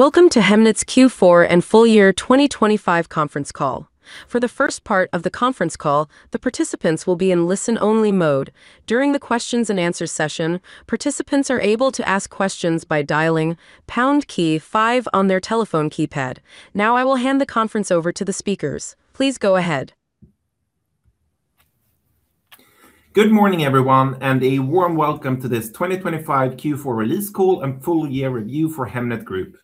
Welcome to Hemnet's Q4 and Full Year 2025 Conference Call. For the first part of the conference call, the participants will be in listen-only mode. During the questions and answer session, participants are able to ask questions by dialing pound key five on their telephone keypad. Now, I will hand the conference over to the speakers. Please go ahead. Good morning, everyone, and a warm welcome to this 2025 Q4 release call and full year review for Hemnet Group.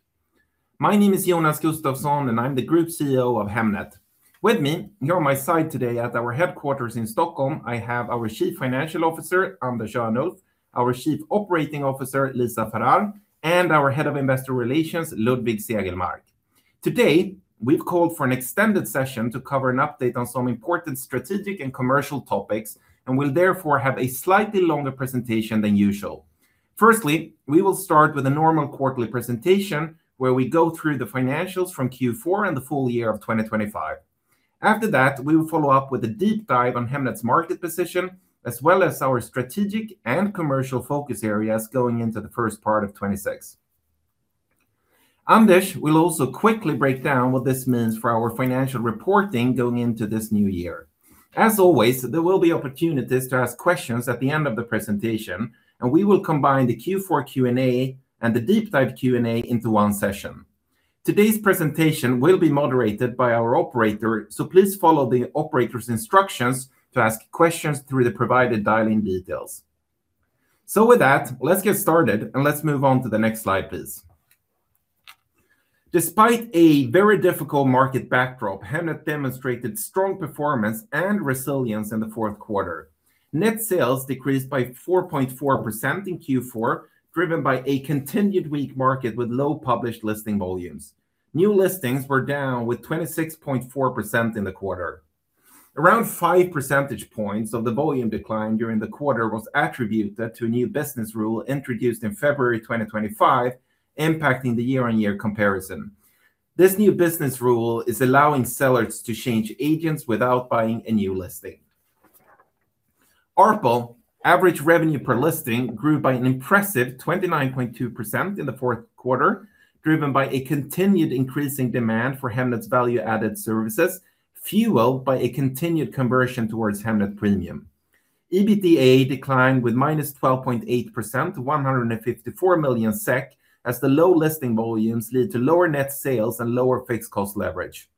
My name is Jonas Gustafsson, and I'm the Group CEO of Hemnet. With me, here on my side today at our headquarters in Stockholm, I have our Chief Financial Officer, Anders Örnulf, our Chief Operating Officer, Lisa Farrar, and our Head of Investor Relations, Ludwig Segelmark. Today, we've called for an extended session to cover an update on some important strategic and commercial topics, and we'll therefore have a slightly longer presentation than usual. Firstly, we will start with a normal quarterly presentation, where we go through the financials from Q4 and the full year of 2025. After that, we will follow up with a deep dive on Hemnet's market position, as well as our strategic and commercial focus areas going into the first part of 2026. Anders will also quickly break down what this means for our financial reporting going into this new year. As always, there will be opportunities to ask questions at the end of the presentation, and we will combine the Q4 Q&A and the deep dive Q&A into one session. Today's presentation will be moderated by our operator, so please follow the operator's instructions to ask questions through the provided dial-in details. So with that, let's get started, and let's move on to the next slide, please. Despite a very difficult market backdrop, Hemnet demonstrated strong performance and resilience in the fourth quarter. Net sales decreased by 4.4% in Q4, driven by a continued weak market with low published listing volumes. New listings were down with 26.4% in the quarter. Around 5 percentage points of the volume decline during the quarter was attributed to a new business rule introduced in February 2025, impacting the year-on-year comparison. This new business rule is allowing sellers to change agents without buying a new listing. ARPL, Average Revenue Per Listing, grew by an impressive 29.2% in the fourth quarter, driven by a continued increasing demand for Hemnet's value-added services, fueled by a continued conversion towards Hemnet Premium. EBITDA declined with -12.8% to 154 million SEK, as the low listing volumes lead to lower net sales and lower fixed cost leverage.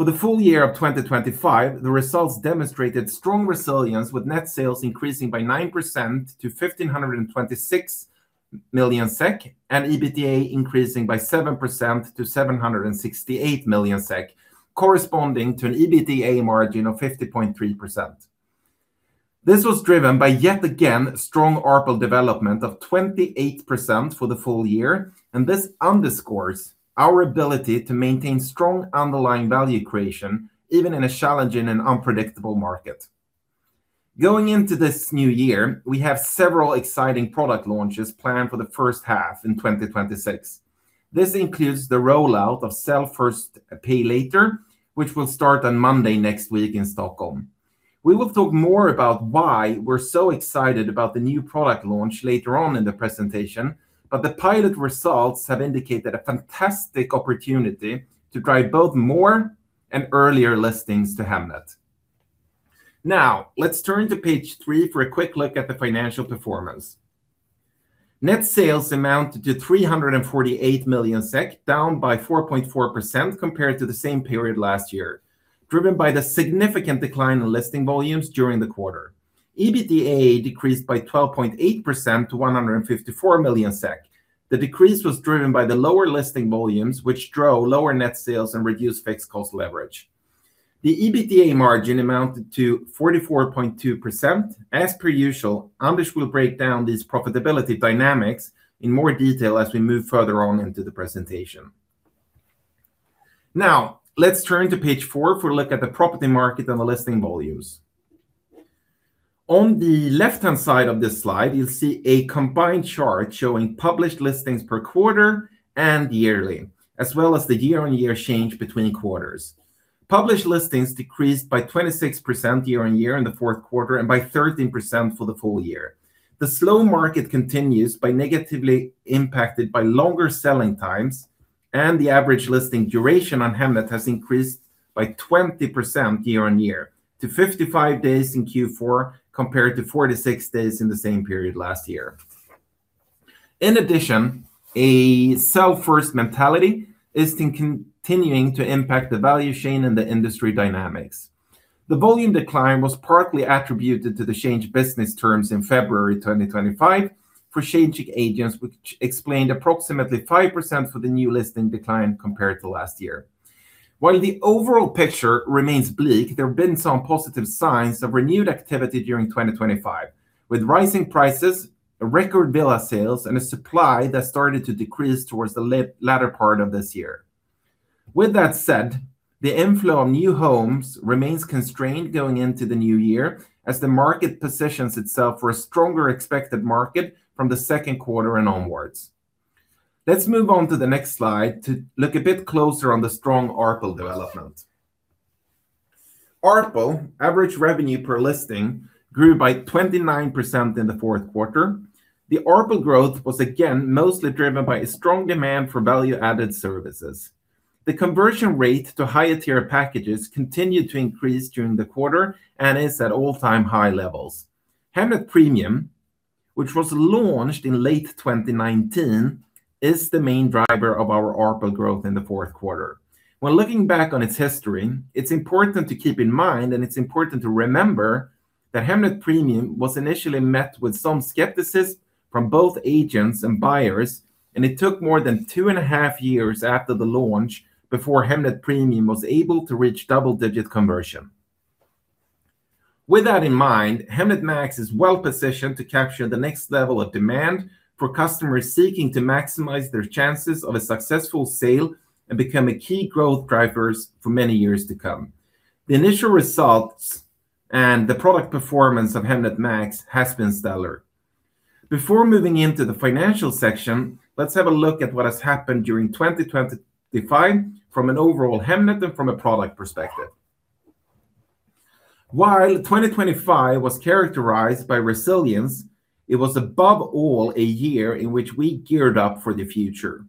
For the full year of 2025, the results demonstrated strong resilience, with net sales increasing by 9% to 1,526 million SEK and EBITDA increasing by 7% to 768 million SEK, corresponding to an EBITDA margin of 50.3%. This was driven by, yet again, strong ARPL development of 28% for the full year, and this underscores our ability to maintain strong underlying value creation, even in a challenging and unpredictable market. Going into this new year, we have several exciting product launches planned for the first half in 2026. This includes the rollout of Sell First, Pay Later, which will start on Monday next week in Stockholm. We will talk more about why we're so excited about the new product launch later on in the presentation, but the pilot results have indicated a fantastic opportunity to drive both more and earlier listings to Hemnet. Now, let's turn to page 3 for a quick look at the financial performance. Net sales amounted to 348 million SEK, down by 4.4% compared to the same period last year, driven by the significant decline in listing volumes during the quarter. EBITDA decreased by 12.8% to 154 million SEK. The decrease was driven by the lower listing volumes, which drove lower net sales and reduced fixed cost leverage. The EBITDA margin amounted to 44.2%. As per usual, Anders will break down these profitability dynamics in more detail as we move further on into the presentation. Now, let's turn to page four for a look at the property market and the listing volumes. On the left-hand side of this slide, you'll see a combined chart showing published listings per quarter and yearly, as well as the year-on-year change between quarters. Published listings decreased by 26% year on year in the fourth quarter and by 13% for the full year. The slow market continues to be negatively impacted by longer selling times, and the average listing duration on Hemnet has increased by 20% year on year to 55 days in Q4, compared to 46 days in the same period last year. In addition, a Sell First mentality is continuing to impact the value chain and the industry dynamics. The volume decline was partly attributed to the change business terms in February 2025 for changing agents, which explained approximately 5% for the new listing decline compared to last year. While the overall picture remains bleak, there have been some positive signs of renewed activity during 2025, with rising prices, a record villa sales, and a supply that started to decrease towards the latter part of this year. With that said, the inflow of new homes remains constrained going into the new year as the market positions itself for a stronger expected market from the second quarter and onwards. Let's move on to the next slide to look a bit closer on the strong ARPL development. ARPL, average revenue per listing, grew by 29% in the fourth quarter. The ARPL growth was again mostly driven by a strong demand for value-added services. The conversion rate to higher-tier packages continued to increase during the quarter and is at all-time high levels. Hemnet Premium, which was launched in late 2019, is the main driver of our ARPL growth in the fourth quarter. When looking back on its history, it's important to keep in mind, and it's important to remember, that Hemnet Premium was initially met with some skepticism from both agents and buyers, and it took more than two and a half years after the launch before Hemnet Premium was able to reach double-digit conversion. With that in mind, Hemnet Max is well-positioned to capture the next level of demand for customers seeking to maximize their chances of a successful sale and become a key growth driver for many years to come. The initial results and the product performance of Hemnet Max has been stellar. Before moving into the financial section, let's have a look at what has happened during 2025 from an overall Hemnet and from a product perspective. While 2025 was characterized by resilience, it was above all, a year in which we geared up for the future.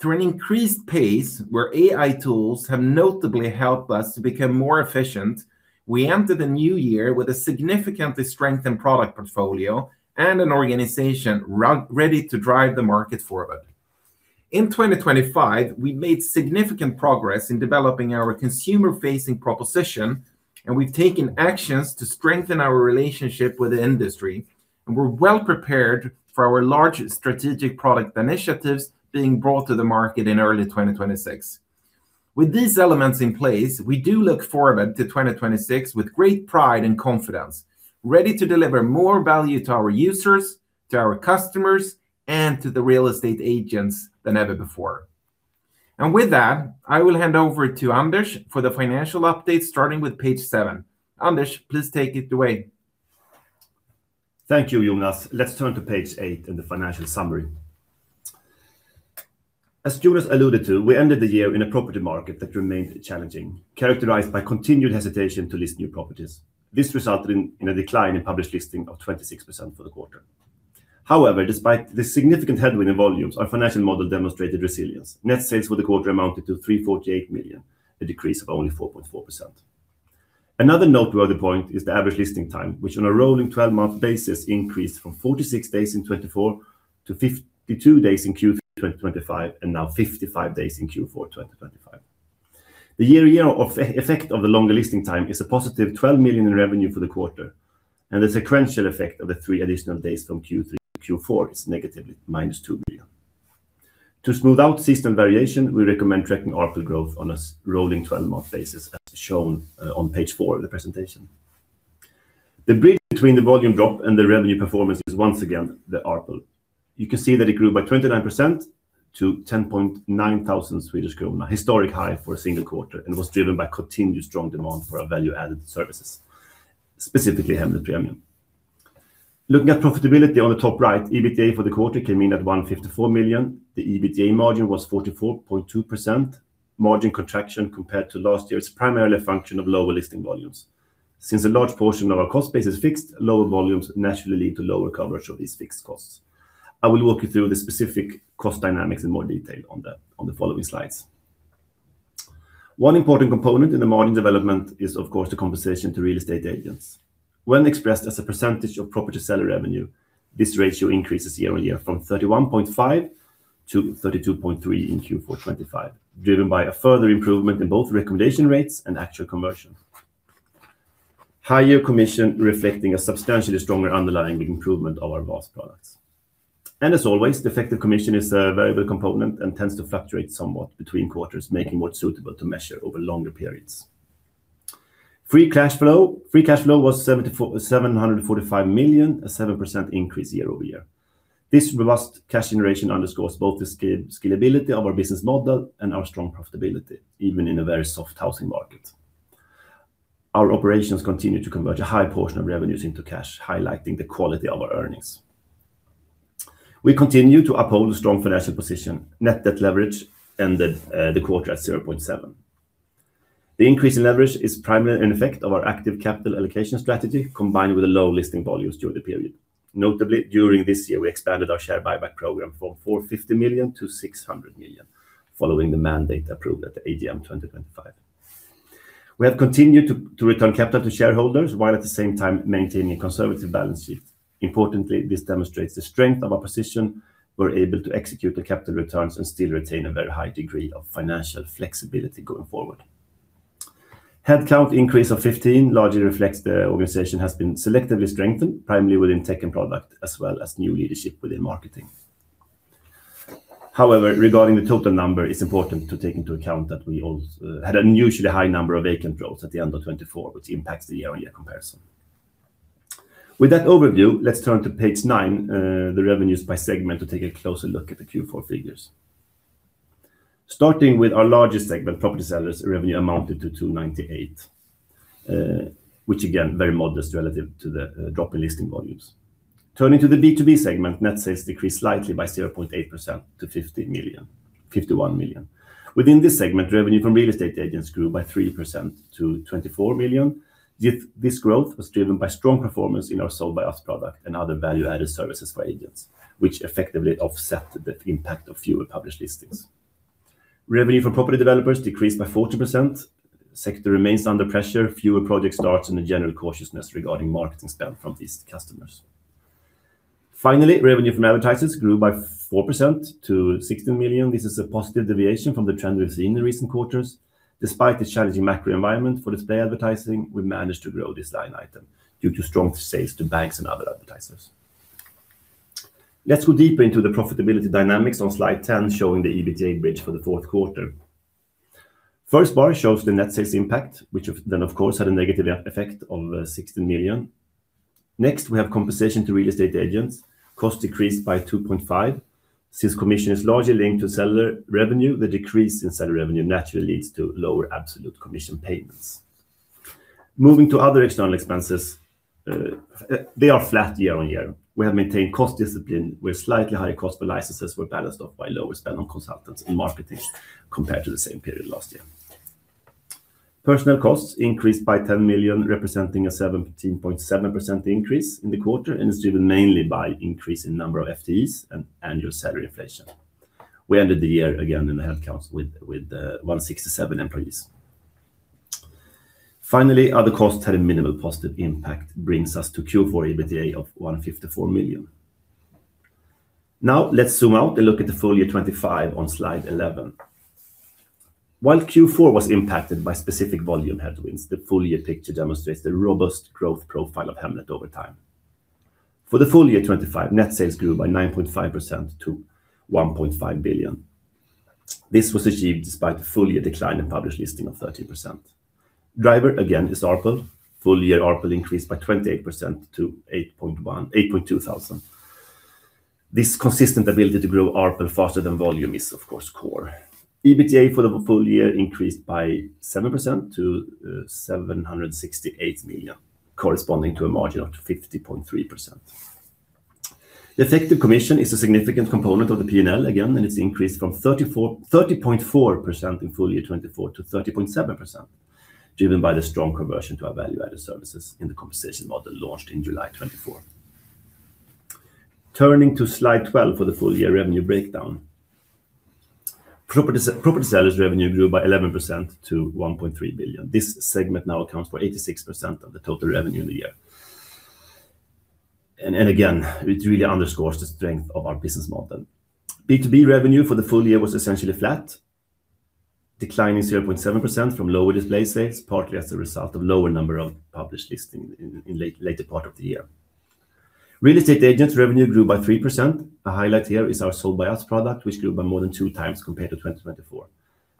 Through an increased pace, where AI tools have notably helped us to become more efficient, we entered the new year with a significantly strengthened product portfolio and an organization running ready to drive the market forward. In 2025, we made significant progress in developing our consumer-facing proposition, and we've taken actions to strengthen our relationship with the industry, and we're well prepared for our large strategic product initiatives being brought to the market in early 2026. With these elements in place, we do look forward to 2026 with great pride and confidence, ready to deliver more value to our users, to our customers, and to the real estate agents than ever before. With that, I will hand over to Anders for the financial update, starting with page 7. Anders, please take it away. Thank you, Jonas. Let's turn to page 8 in the financial summary. As Jonas alluded to, we ended the year in a property market that remained challenging, characterized by continued hesitation to list new properties. This resulted in a decline in published listings of 26% for the quarter. However, despite the significant headwind in volumes, our financial model demonstrated resilience. Net sales for the quarter amounted to 348 million, a decrease of only 4.4%. Another noteworthy point is the average listing time, which on a rolling 12-month basis, increased from 46 days in 2024 to 52 days in Q3 2025, and now 55 days in Q4 2025. The year-over-year effect of the longer listing time is a positive 12 million in revenue for the quarter, and the sequential effect of the 3 additional days from Q3 to Q4 is negatively minus 2 million. To smooth out system variation, we recommend tracking ARPL growth on a rolling 12-month basis, as shown on page 4 of the presentation. The bridge between the volume drop and the revenue performance is once again the ARPL. You can see that it grew by 29% to 10.9 thousand Swedish krona, historic high for a single quarter, and was driven by continued strong demand for our value-added services, specifically Hemnet Premium. Looking at profitability on the top right, EBITDA for the quarter came in at 154 million. The EBITDA margin was 44.2%. Margin contraction compared to last year is primarily a function of lower listing volumes. Since a large portion of our cost base is fixed, lower volumes naturally lead to lower coverage of these fixed costs. I will walk you through the specific cost dynamics in more detail on the following slides. One important component in the margin development is, of course, the compensation to real estate agents. When expressed as a percentage of property seller revenue, this ratio increases year-over-year from 31.5% to 32.3% in Q4 2025, driven by a further improvement in both recommendation rates and actual conversion. Higher commission, reflecting a substantially stronger underlying improvement of our VAS products. And as always, the effective commission is a variable component and tends to fluctuate somewhat between quarters, making more suitable to measure over longer periods. Free cash flow. Free cash flow was seven hundred and forty-five million, a 7% increase year-over-year. This robust cash generation underscores both the scalability of our business model and our strong profitability, even in a very soft housing market. Our operations continue to convert a high portion of revenues into cash, highlighting the quality of our earnings. We continue to uphold a strong financial position. Net debt leverage ended the quarter at 0.7. The increase in leverage is primarily an effect of our active capital allocation strategy, combined with the low listing volumes during the period. Notably, during this year, we expanded our share buyback program from 450 million to 600 million, following the mandate approved at the AGM 2025. We have continued to return capital to shareholders, while at the same time maintaining a conservative balance sheet. Importantly, this demonstrates the strength of our position. We're able to execute the capital returns and still retain a very high degree of financial flexibility going forward. Headcount increase of 15 largely reflects the organization has been selectively strengthened, primarily within tech and product, as well as new leadership within marketing. However, regarding the total number, it's important to take into account that we had an unusually high number of vacant roles at the end of 2024, which impacts the year-on-year comparison. With that overview, let's turn to page 9, the revenues by segment, to take a closer look at the Q4 figures. Starting with our largest segment, property sellers, revenue amounted to 298 million, which again, very modest relative to the drop in listing volumes. Turning to the B2B segment, net sales decreased slightly by 0.8% to 51 million. Within this segment, revenue from real estate agents grew by 3% to 24 million. Yet this growth was driven by strong performance in our Sold By Us product and other value-added services for agents, which effectively offset the impact of fewer published listings. Revenue from property developers decreased by 40%. The sector remains under pressure, fewer project starts, and a general cautiousness regarding marketing spend from these customers. Finally, revenue from advertisers grew by 4% to 16 million. This is a positive deviation from the trend we've seen in recent quarters. Despite the challenging macro environment for display advertising, we managed to grow this line item due to strong sales to banks and other advertisers. Let's go deeper into the profitability dynamics on slide 10, showing the EBITDA bridge for the fourth quarter. First bar shows the net sales impact, which then, of course, had a negative effect of 16 million. Next, we have compensation to real estate agents. Cost decreased by 2.5 million. Since commission is largely linked to seller revenue, the decrease in seller revenue naturally leads to lower absolute commission payments. Moving to other external expenses, they are flat year-on-year. We have maintained cost discipline, with slightly higher cost per licenses were balanced off by lower spend on consultants and marketing compared to the same period last year. Personnel costs increased by 10 million, representing a 17.7% increase in the quarter, and it's driven mainly by increase in number of FTEs and annual salary inflation. We ended the year again in the head count with 167 employees. Finally, other costs had a minimal positive impact, brings us to Q4 EBITDA of 154 million. Now, let's zoom out and look at the full year 2025 on slide 11. While Q4 was impacted by specific volume headwinds, the full year picture demonstrates the robust growth profile of Hemnet over time. For the full year 2025, net sales grew by 9.5% to 1.5 billion. This was achieved despite the full year decline in published listing of 13%. Driver, again, is ARPL. Full year ARPL increased by 28% to 8.2 thousand. This consistent ability to grow ARPL faster than volume is, of course, core. EBITDA for the full year increased by 7% to 768 million, corresponding to a margin of 50.3%. The effective commission is a significant component of the P&L, again, and it's increased from 30.4% in full year 2024 to 30.7%, driven by the strong conversion to our value-added services in the compensation model launched in July 2024. Turning to slide 12 for the full year revenue breakdown. Property sellers revenue grew by 11% to 1.3 billion. This segment now accounts for 86% of the total revenue in the year. And again, it really underscores the strength of our business model. B2B revenue for the full year was essentially flat, declining 0.7% from lower display sales, partly as a result of lower number of published listings in the later part of the year. Real estate agents' revenue grew by 3%. A highlight here is our Sold By Us product, which grew by more than 2x compared to 2024.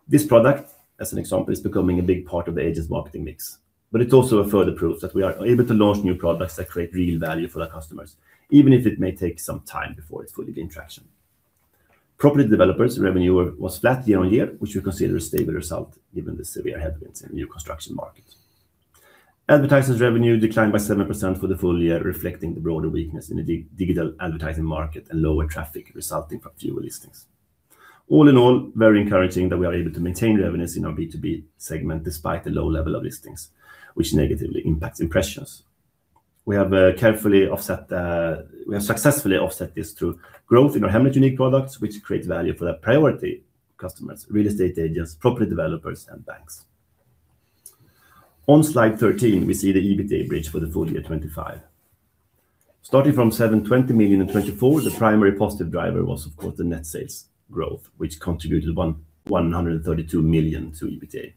This product, as an example, is becoming a big part of the agents' marketing mix, but it also a further proof that we are able to launch new products that create real value for our customers, even if it may take some time before it's fully in traction. Property developers' revenue was flat year on year, which we consider a stable result given the severe headwinds in new construction markets. Advertisers' revenue declined by 7% for the full year, reflecting the broader weakness in the dig-digital advertising market and lower traffic resulting from fewer listings. All in all, very encouraging that we are able to maintain revenues in our B2B segment, despite the low level of listings, which negatively impacts impressions. We have carefully offset. We have successfully offset this through growth in our Hemnet unique products, which create value for our priority customers, real estate agents, property developers, and banks. On Slide 13, we see the EBITDA bridge for the full year 2025. Starting from 720 million in 2024, the primary positive driver was, of course, the net sales growth, which contributed 132 million to EBITDA.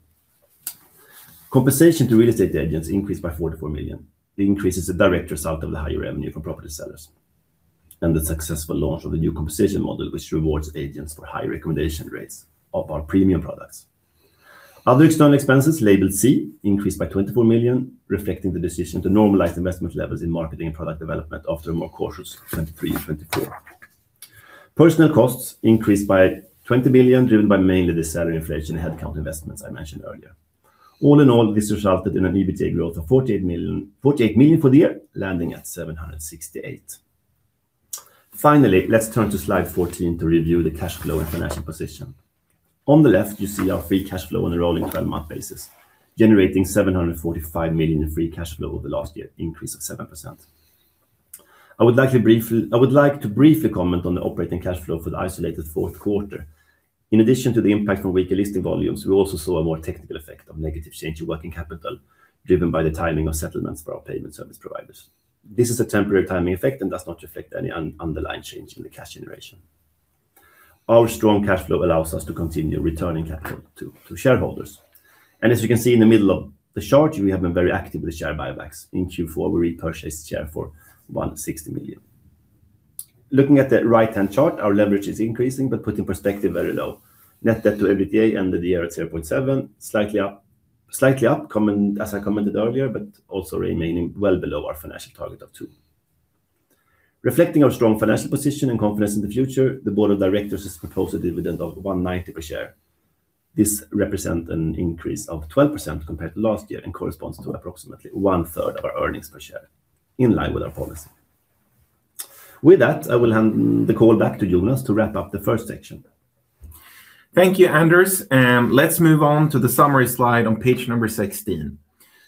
Compensation to real estate agents increased by 44 million. The increase is a direct result of the higher revenue from property sellers and the successful launch of the new compensation model, which rewards agents for high recommendation rates of our premium products. Other external expenses, labeled C, increased by 24 million, reflecting the decision to normalize investment levels in marketing and product development after a more cautious 2023 and 2024. Personnel costs increased by 20 million, driven by mainly the salary inflation and headcount investments I mentioned earlier. All in all, this resulted in an EBITDA growth of 48 million, 48 million for the year, landing at 768 million. Finally, let's turn to slide 14 to review the cash flow and financial position. On the left, you see our free cash flow on a rolling twelve-month basis, generating 745 million in free cash flow over the last year, an increase of 7%. I would like to briefly, I would like to briefly comment on the operating cash flow for the isolated fourth quarter. In addition to the impact on weaker listing volumes, we also saw a more technical effect of negative change in working capital, driven by the timing of settlements for our payment service providers. This is a temporary timing effect and does not reflect any underlying change in the cash generation. Our strong cash flow allows us to continue returning capital to, to shareholders. And as you can see in the middle of the chart, we have been very active with share buybacks. In Q4, we repurchased shares for 160 million. Looking at the right-hand chart, our leverage is increasing, but put in perspective, very low. Net debt to EBITDA ended the year at 0.7, slightly up, slightly up, as I commented earlier, but also remaining well below our financial target of 2. Reflecting our strong financial position and confidence in the future, the board of directors has proposed a dividend of 1.90 per share. This represents an increase of 12% compared to last year, and corresponds to approximately one-third of our earnings per share, in line with our policy. With that, I will hand the call back to Jonas to wrap up the first section. Thank you, Anders, and let's move on to the summary slide on page 16.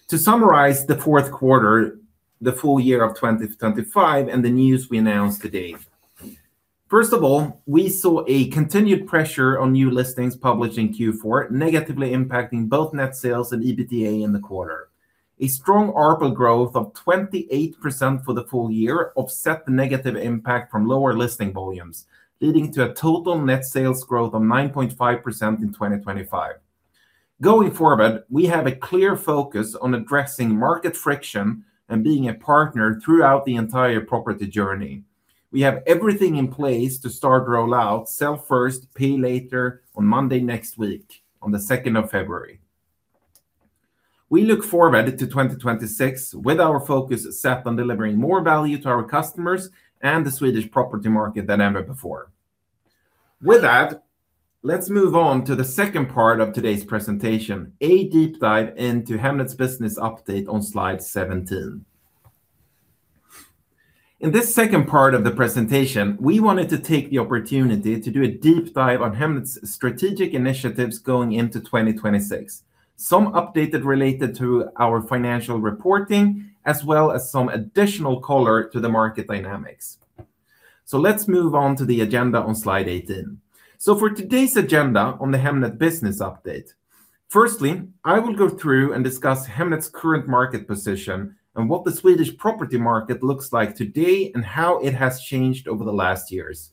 To summarize the fourth quarter, the full year of 2025, and the news we announced today. First of all, we saw a continued pressure on new listings published in Q4, negatively impacting both net sales and EBITDA in the quarter. A strong ARPL growth of 28% for the full year offset the negative impact from lower listing volumes, leading to a total net sales growth of 9.5% in 2025. Going forward, we have a clear focus on addressing market friction and being a partner throughout the entire property journey. We have everything in place to start rollout, Sell First, Pay Later on Monday next week, on February 2. We look forward to 2026, with our focus set on delivering more value to our customers and the Swedish property market than ever before. With that, let's move on to the second part of today's presentation, a deep dive into Hemnet's business update on Slide 17. In this second part of the presentation, we wanted to take the opportunity to do a deep dive on Hemnet's strategic initiatives going into 2026. Some updates related to our financial reporting, as well as some additional color to the market dynamics. So let's move on to the agenda on Slide 18. So for today's agenda on the Hemnet business update, firstly, I will go through and discuss Hemnet's current market position and what the Swedish property market looks like today and how it has changed over the last years.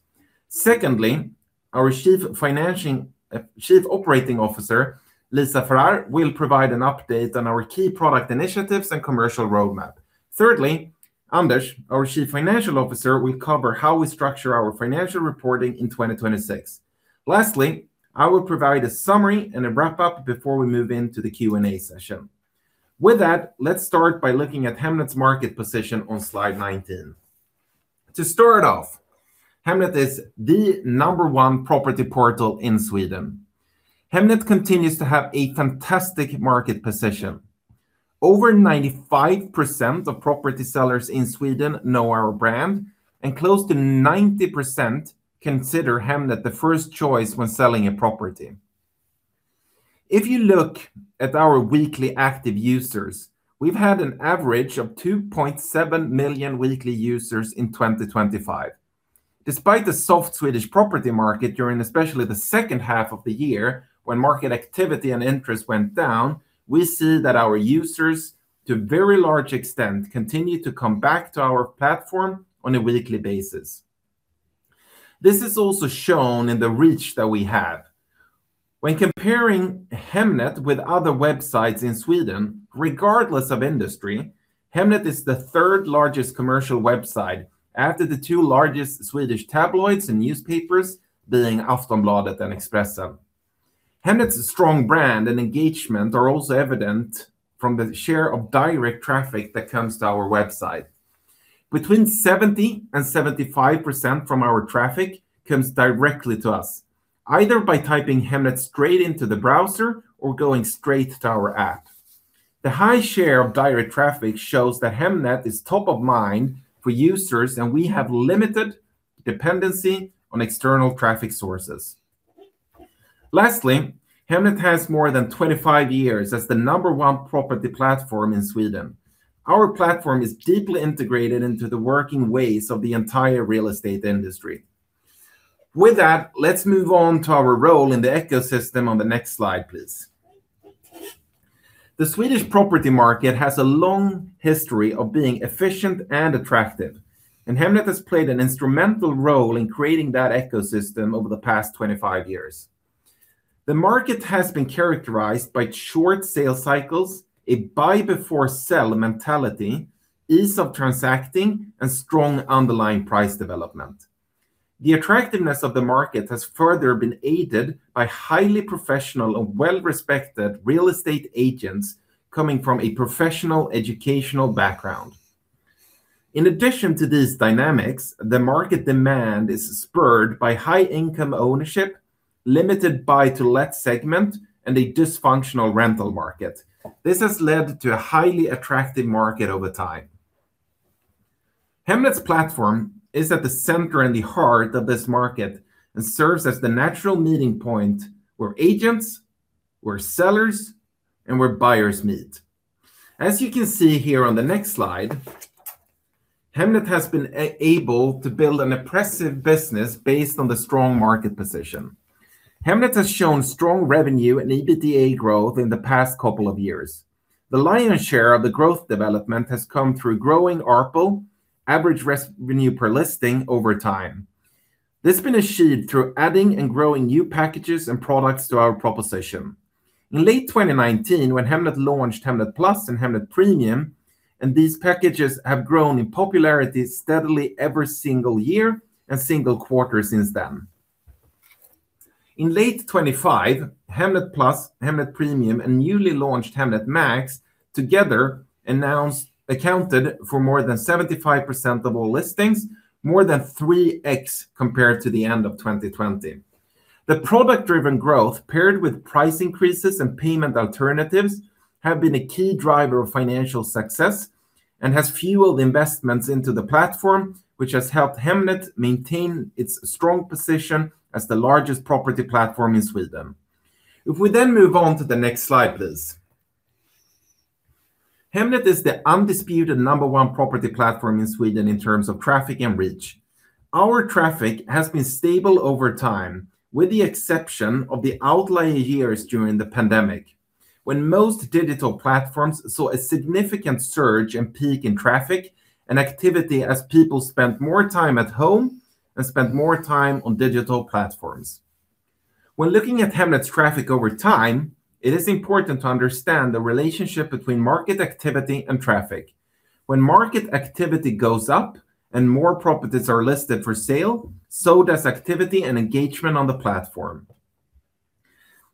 Secondly, our Chief Operating Officer, Lisa Farrar, will provide an update on our key product initiatives and commercial roadmap. Thirdly, Anders, our Chief Financial Officer, will cover how we structure our financial reporting in 2026. Lastly, I will provide a summary and a wrap-up before we move into the Q&A session. With that, let's start by looking at Hemnet's market position on slide 19. To start off, Hemnet is the number one property portal in Sweden. Hemnet continues to have a fantastic market position. Over 95% of property sellers in Sweden know our brand, and close to 90% consider Hemnet the first choice when selling a property. If you look at our weekly active users, we've had an average of 2.7 million weekly users in 2025. Despite the soft Swedish property market, during especially the second half of the year, when market activity and interest went down, we see that our users, to a very large extent, continue to come back to our platform on a weekly basis. This is also shown in the reach that we have. When comparing Hemnet with other websites in Sweden, regardless of industry, Hemnet is the third largest commercial website after the two largest Swedish tabloids and newspapers, being Aftonbladet and Expressen. Hemnet's strong brand and engagement are also evident from the share of direct traffic that comes to our website. Between 70% and 75% from our traffic comes directly to us, either by typing Hemnet straight into the browser or going straight to our app. The high share of direct traffic shows that Hemnet is top of mind for users, and we have limited dependency on external traffic sources. Lastly, Hemnet has more than 25 years as the number one property platform in Sweden. Our platform is deeply integrated into the working ways of the entire real estate industry. With that, let's move on to our role in the ecosystem on the next slide, please. The Swedish property market has a long history of being efficient and attractive, and Hemnet has played an instrumental role in creating that ecosystem over the past 25 years. The market has been characterized by short sales cycles, a buy before sell mentality, ease of transacting, and strong underlying price development. The attractiveness of the market has further been aided by highly professional and well-respected real estate agents coming from a professional educational background. In addition to these dynamics, the market demand is spurred by high-income ownership, limited buy-to-let segment, and a dysfunctional rental market. This has led to a highly attractive market over time. Hemnet's platform is at the center and the heart of this market and serves as the natural meeting point where agents, where sellers, and where buyers meet. As you can see here on the next slide, Hemnet has been able to build an impressive business based on the strong market position. Hemnet has shown strong revenue and EBITDA growth in the past couple of years. The lion's share of the growth development has come through growing ARPL, Average Revenue Per Listing, over time. This has been achieved through adding and growing new packages and products to our proposition. In late 2019, when Hemnet launched Hemnet Plus and Hemnet Premium, and these packages have grown in popularity steadily every single year and single quarter since then. In late 2025, Hemnet Plus, Hemnet Premium, and newly launched Hemnet Max, together accounted for more than 75% of all listings, more than 3x compared to the end of 2020. The product-driven growth, paired with price increases and payment alternatives, have been a key driver of financial success and has fueled investments into the platform, which has helped Hemnet maintain its strong position as the largest property platform in Sweden. If we then move on to the next slide, please. Hemnet is the undisputed number one property platform in Sweden in terms of traffic and reach. Our traffic has been stable over time, with the exception of the outlying years during the pandemic, when most digital platforms saw a significant surge and peak in traffic and activity as people spent more time at home and spent more time on digital platforms. When looking at Hemnet's traffic over time, it is important to understand the relationship between market activity and traffic. When market activity goes up, and more properties are listed for sale, so does activity and engagement on the platform.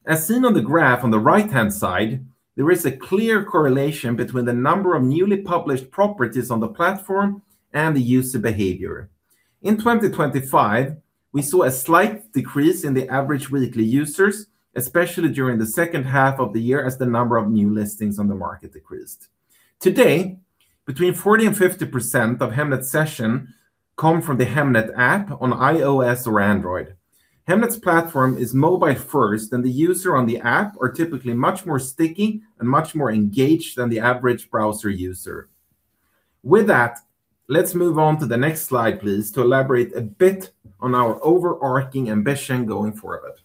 As seen on the graph on the right-hand side, there is a clear correlation between the number of newly published properties on the platform and the user behavior. In 2025, we saw a slight decrease in the average weekly users, especially during the second half of the year, as the number of new listings on the market decreased. Today, between 40% and 50% of Hemnet sessions come from the Hemnet app on iOS or Android. Hemnet's platform is mobile first, and the users on the app are typically much more sticky and much more engaged than the average browser user. With that, let's move on to the next slide, please, to elaborate a bit on our overarching ambition going forward.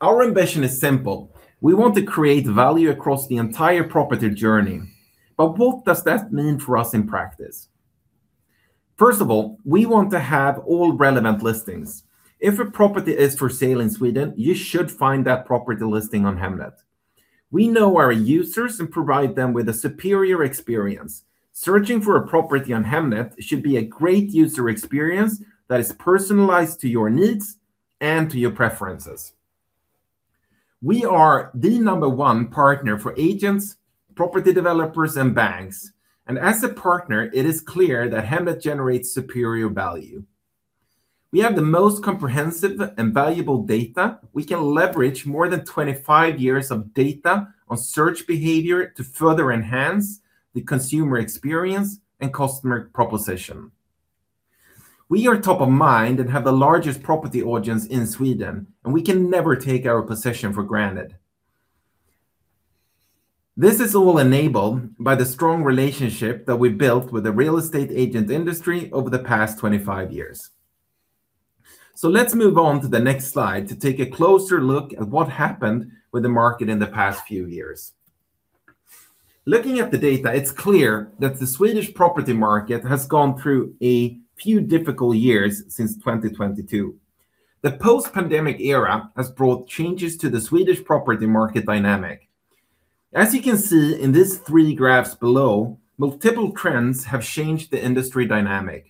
Our ambition is simple: We want to create value across the entire property journey. But what does that mean for us in practice? First of all, we want to have all relevant listings. If a property is for sale in Sweden, you should find that property listing on Hemnet. We know our users and provide them with a superior experience. Searching for a property on Hemnet should be a great user experience that is personalized to your needs and to your preferences. We are the number 1 partner for agents, property developers, and banks, and as a partner, it is clear that Hemnet generates superior value. We have the most comprehensive and valuable data. We can leverage more than 25 years of data on search behavior to further enhance the consumer experience and customer proposition. We are top of mind and have the largest property audience in Sweden, and we can never take our position for granted. This is all enabled by the strong relationship that we built with the real estate agent industry over the past 25 years. So let's move on to the next slide to take a closer look at what happened with the market in the past few years. Looking at the data, it's clear that the Swedish property market has gone through a few difficult years since 2022. The post-pandemic era has brought changes to the Swedish property market dynamic. As you can see in these three graphs below, multiple trends have changed the industry dynamic.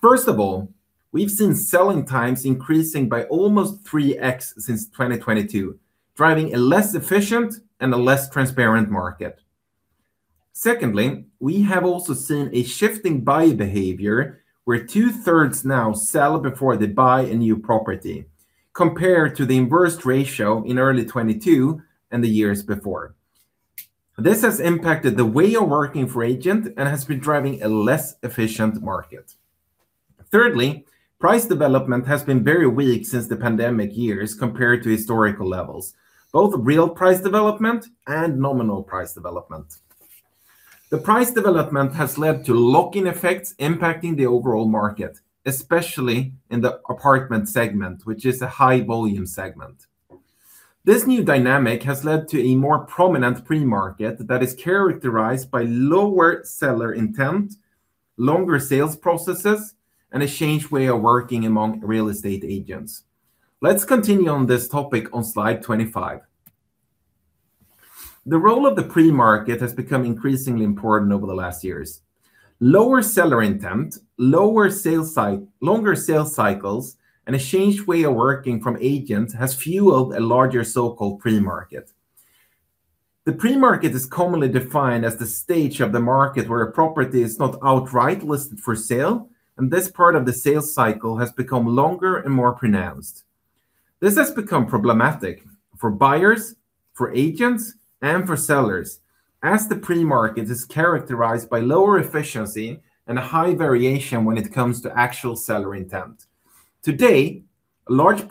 First of all, we've seen selling times increasing by almost 3x since 2022, driving a less efficient and a less transparent market. Secondly, we have also seen a shifting buying behavior, where two-thirds now sell before they buy a new property, compared to the inverse ratio in early 2022 and the years before. This has impacted the way of working for agent and has been driving a less efficient market. Thirdly, price development has been very weak since the pandemic years compared to historical levels, both real price development and nominal price development. The price development has led to lock-in effects impacting the overall market, especially in the apartment segment, which is a high volume segment. This new dynamic has led to a more prominent pre-market that is characterized by lower seller intent, longer sales processes, and a changed way of working among real estate agents. Let's continue on this topic on slide 25. The role of the pre-market has become increasingly important over the last years. Lower seller intent, longer sales cycles, and a changed way of working from agents has fueled a larger so-called pre-market. The pre-market is commonly defined as the stage of the market where a property is not outright listed for sale, and this part of the sales cycle has become longer and more pronounced. This has become problematic for buyers, for agents, and for sellers, as the pre-market is characterized by lower efficiency and a high variation when it comes to actual seller intent. Today, a large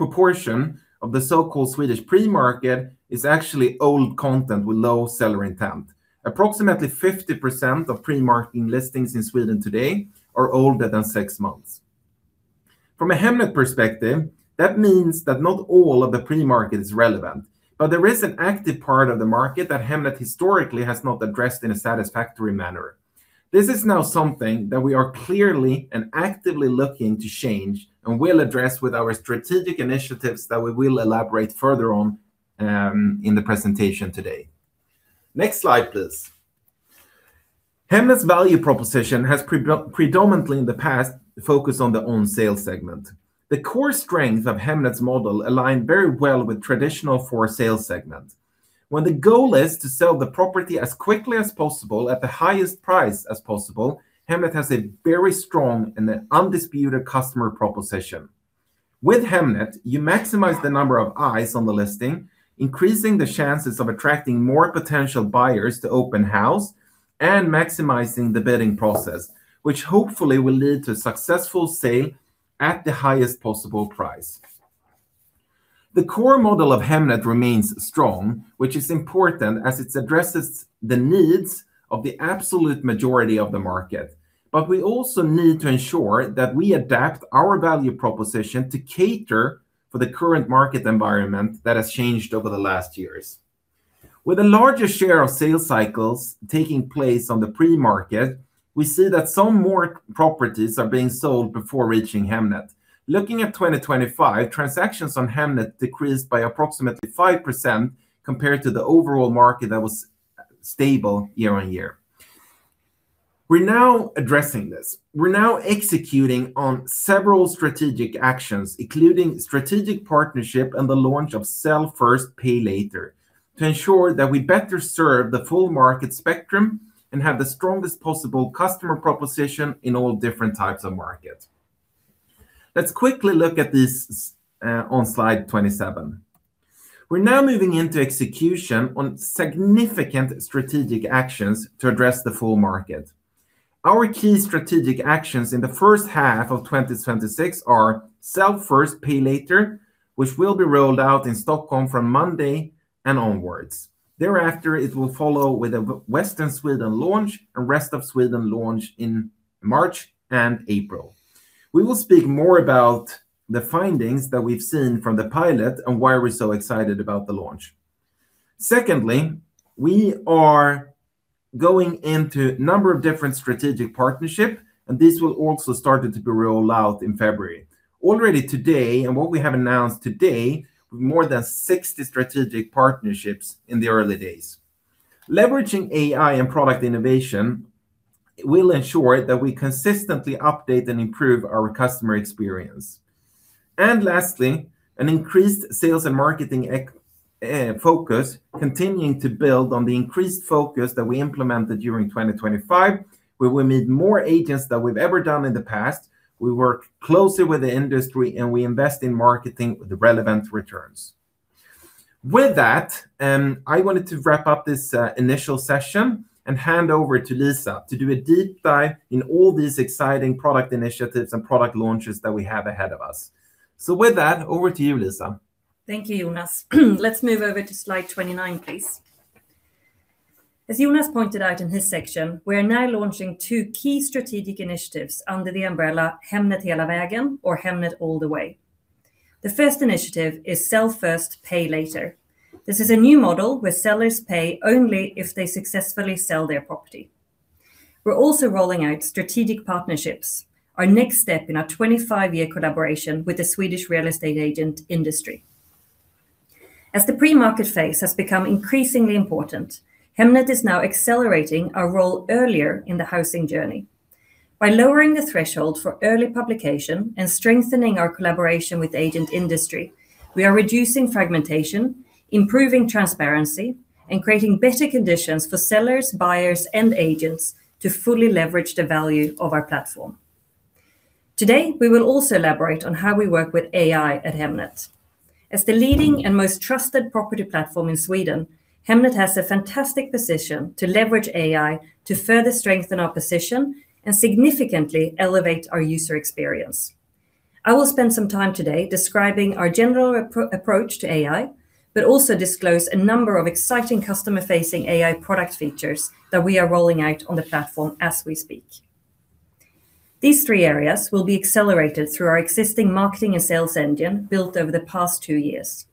proportion of the so-called Swedish pre-market is actually old content with low seller intent. Approximately 50% of pre-marketing listings in Sweden today are older than six months. From a Hemnet perspective, that means that not all of the pre-market is relevant, but there is an active part of the market that Hemnet historically has not addressed in a satisfactory manner. This is now something that we are clearly and actively looking to change and will address with our strategic initiatives that we will elaborate further on in the presentation today. Next slide, please. Hemnet's value proposition has predominantly, in the past, focused on the on-sale segment. The core strength of Hemnet's model align very well with traditional for-sale segment. When the goal is to sell the property as quickly as possible at the highest price as possible, Hemnet has a very strong and an undisputed customer proposition. With Hemnet, you maximize the number of eyes on the listing, increasing the chances of attracting more potential buyers to open house, and maximizing the bidding process, which hopefully will lead to successful sale at the highest possible price. The core model of Hemnet remains strong, which is important, as it addresses the needs of the absolute majority of the market. But we also need to ensure that we adapt our value proposition to cater for the current market environment that has changed over the last years. With a larger share of sales cycles taking place on the pre-market, we see that some more properties are being sold before reaching Hemnet. Looking at 2025, transactions on Hemnet decreased by approximately 5% compared to the overall market that was stable year on year. We're now addressing this. We're now executing on several strategic actions, including strategic partnership and the launch of Sell First, Pay Later, to ensure that we better serve the full market spectrum and have the strongest possible customer proposition in all different types of markets. Let's quickly look at this on slide 27. We're now moving into execution on significant strategic actions to address the full market. Our key strategic actions in the first half of 2026 are: Sell First, Pay Later, which will be rolled out in Stockholm from Monday and onwards. Thereafter, it will follow with a Western Sweden launch and rest of Sweden launch in March and April. We will speak more about the findings that we've seen from the pilot and why we're so excited about the launch. Secondly, we are going into a number of different strategic partnership, and this will also started to be rolled out in February. Already today, and what we have announced today, more than 60 strategic partnerships in the early days. Leveraging AI and product innovation will ensure that we consistently update and improve our customer experience. Lastly, an increased sales and marketing focus, continuing to build on the increased focus that we implemented during 2025, where we meet more agents than we've ever done in the past, we work closely with the industry, and we invest in marketing with the relevant returns. With that, I wanted to wrap up this initial session and hand over to Lisa to do a deep dive in all these exciting product initiatives and product launches that we have ahead of us. So with that, over to you, Lisa. Thank you, Jonas. Let's move over to slide 29, please. As Jonas pointed out in his section, we are now launching two key strategic initiatives under the umbrella, Hemnet Hela Vägen or Hemnet All the Way. The first initiative is Sell First, Pay Later. This is a new model where sellers pay only if they successfully sell their property. We're also rolling out strategic partnerships, our next step in our 25-year collaboration with the Swedish real estate agent industry. As the pre-market phase has become increasingly important, Hemnet is now accelerating our role earlier in the housing journey. By lowering the threshold for early publication and strengthening our collaboration with agent industry, we are reducing fragmentation, improving transparency, and creating better conditions for sellers, buyers, and agents to fully leverage the value of our platform. Today, we will also elaborate on how we work with AI at Hemnet. As the leading and most trusted property platform in Sweden, Hemnet has a fantastic position to leverage AI to further strengthen our position and significantly elevate our user experience. I will spend some time today describing our general approach to AI, but also disclose a number of exciting customer-facing AI product features that we are rolling out on the platform as we speak. These three areas will be accelerated through our existing marketing and sales engine, built over the past two years.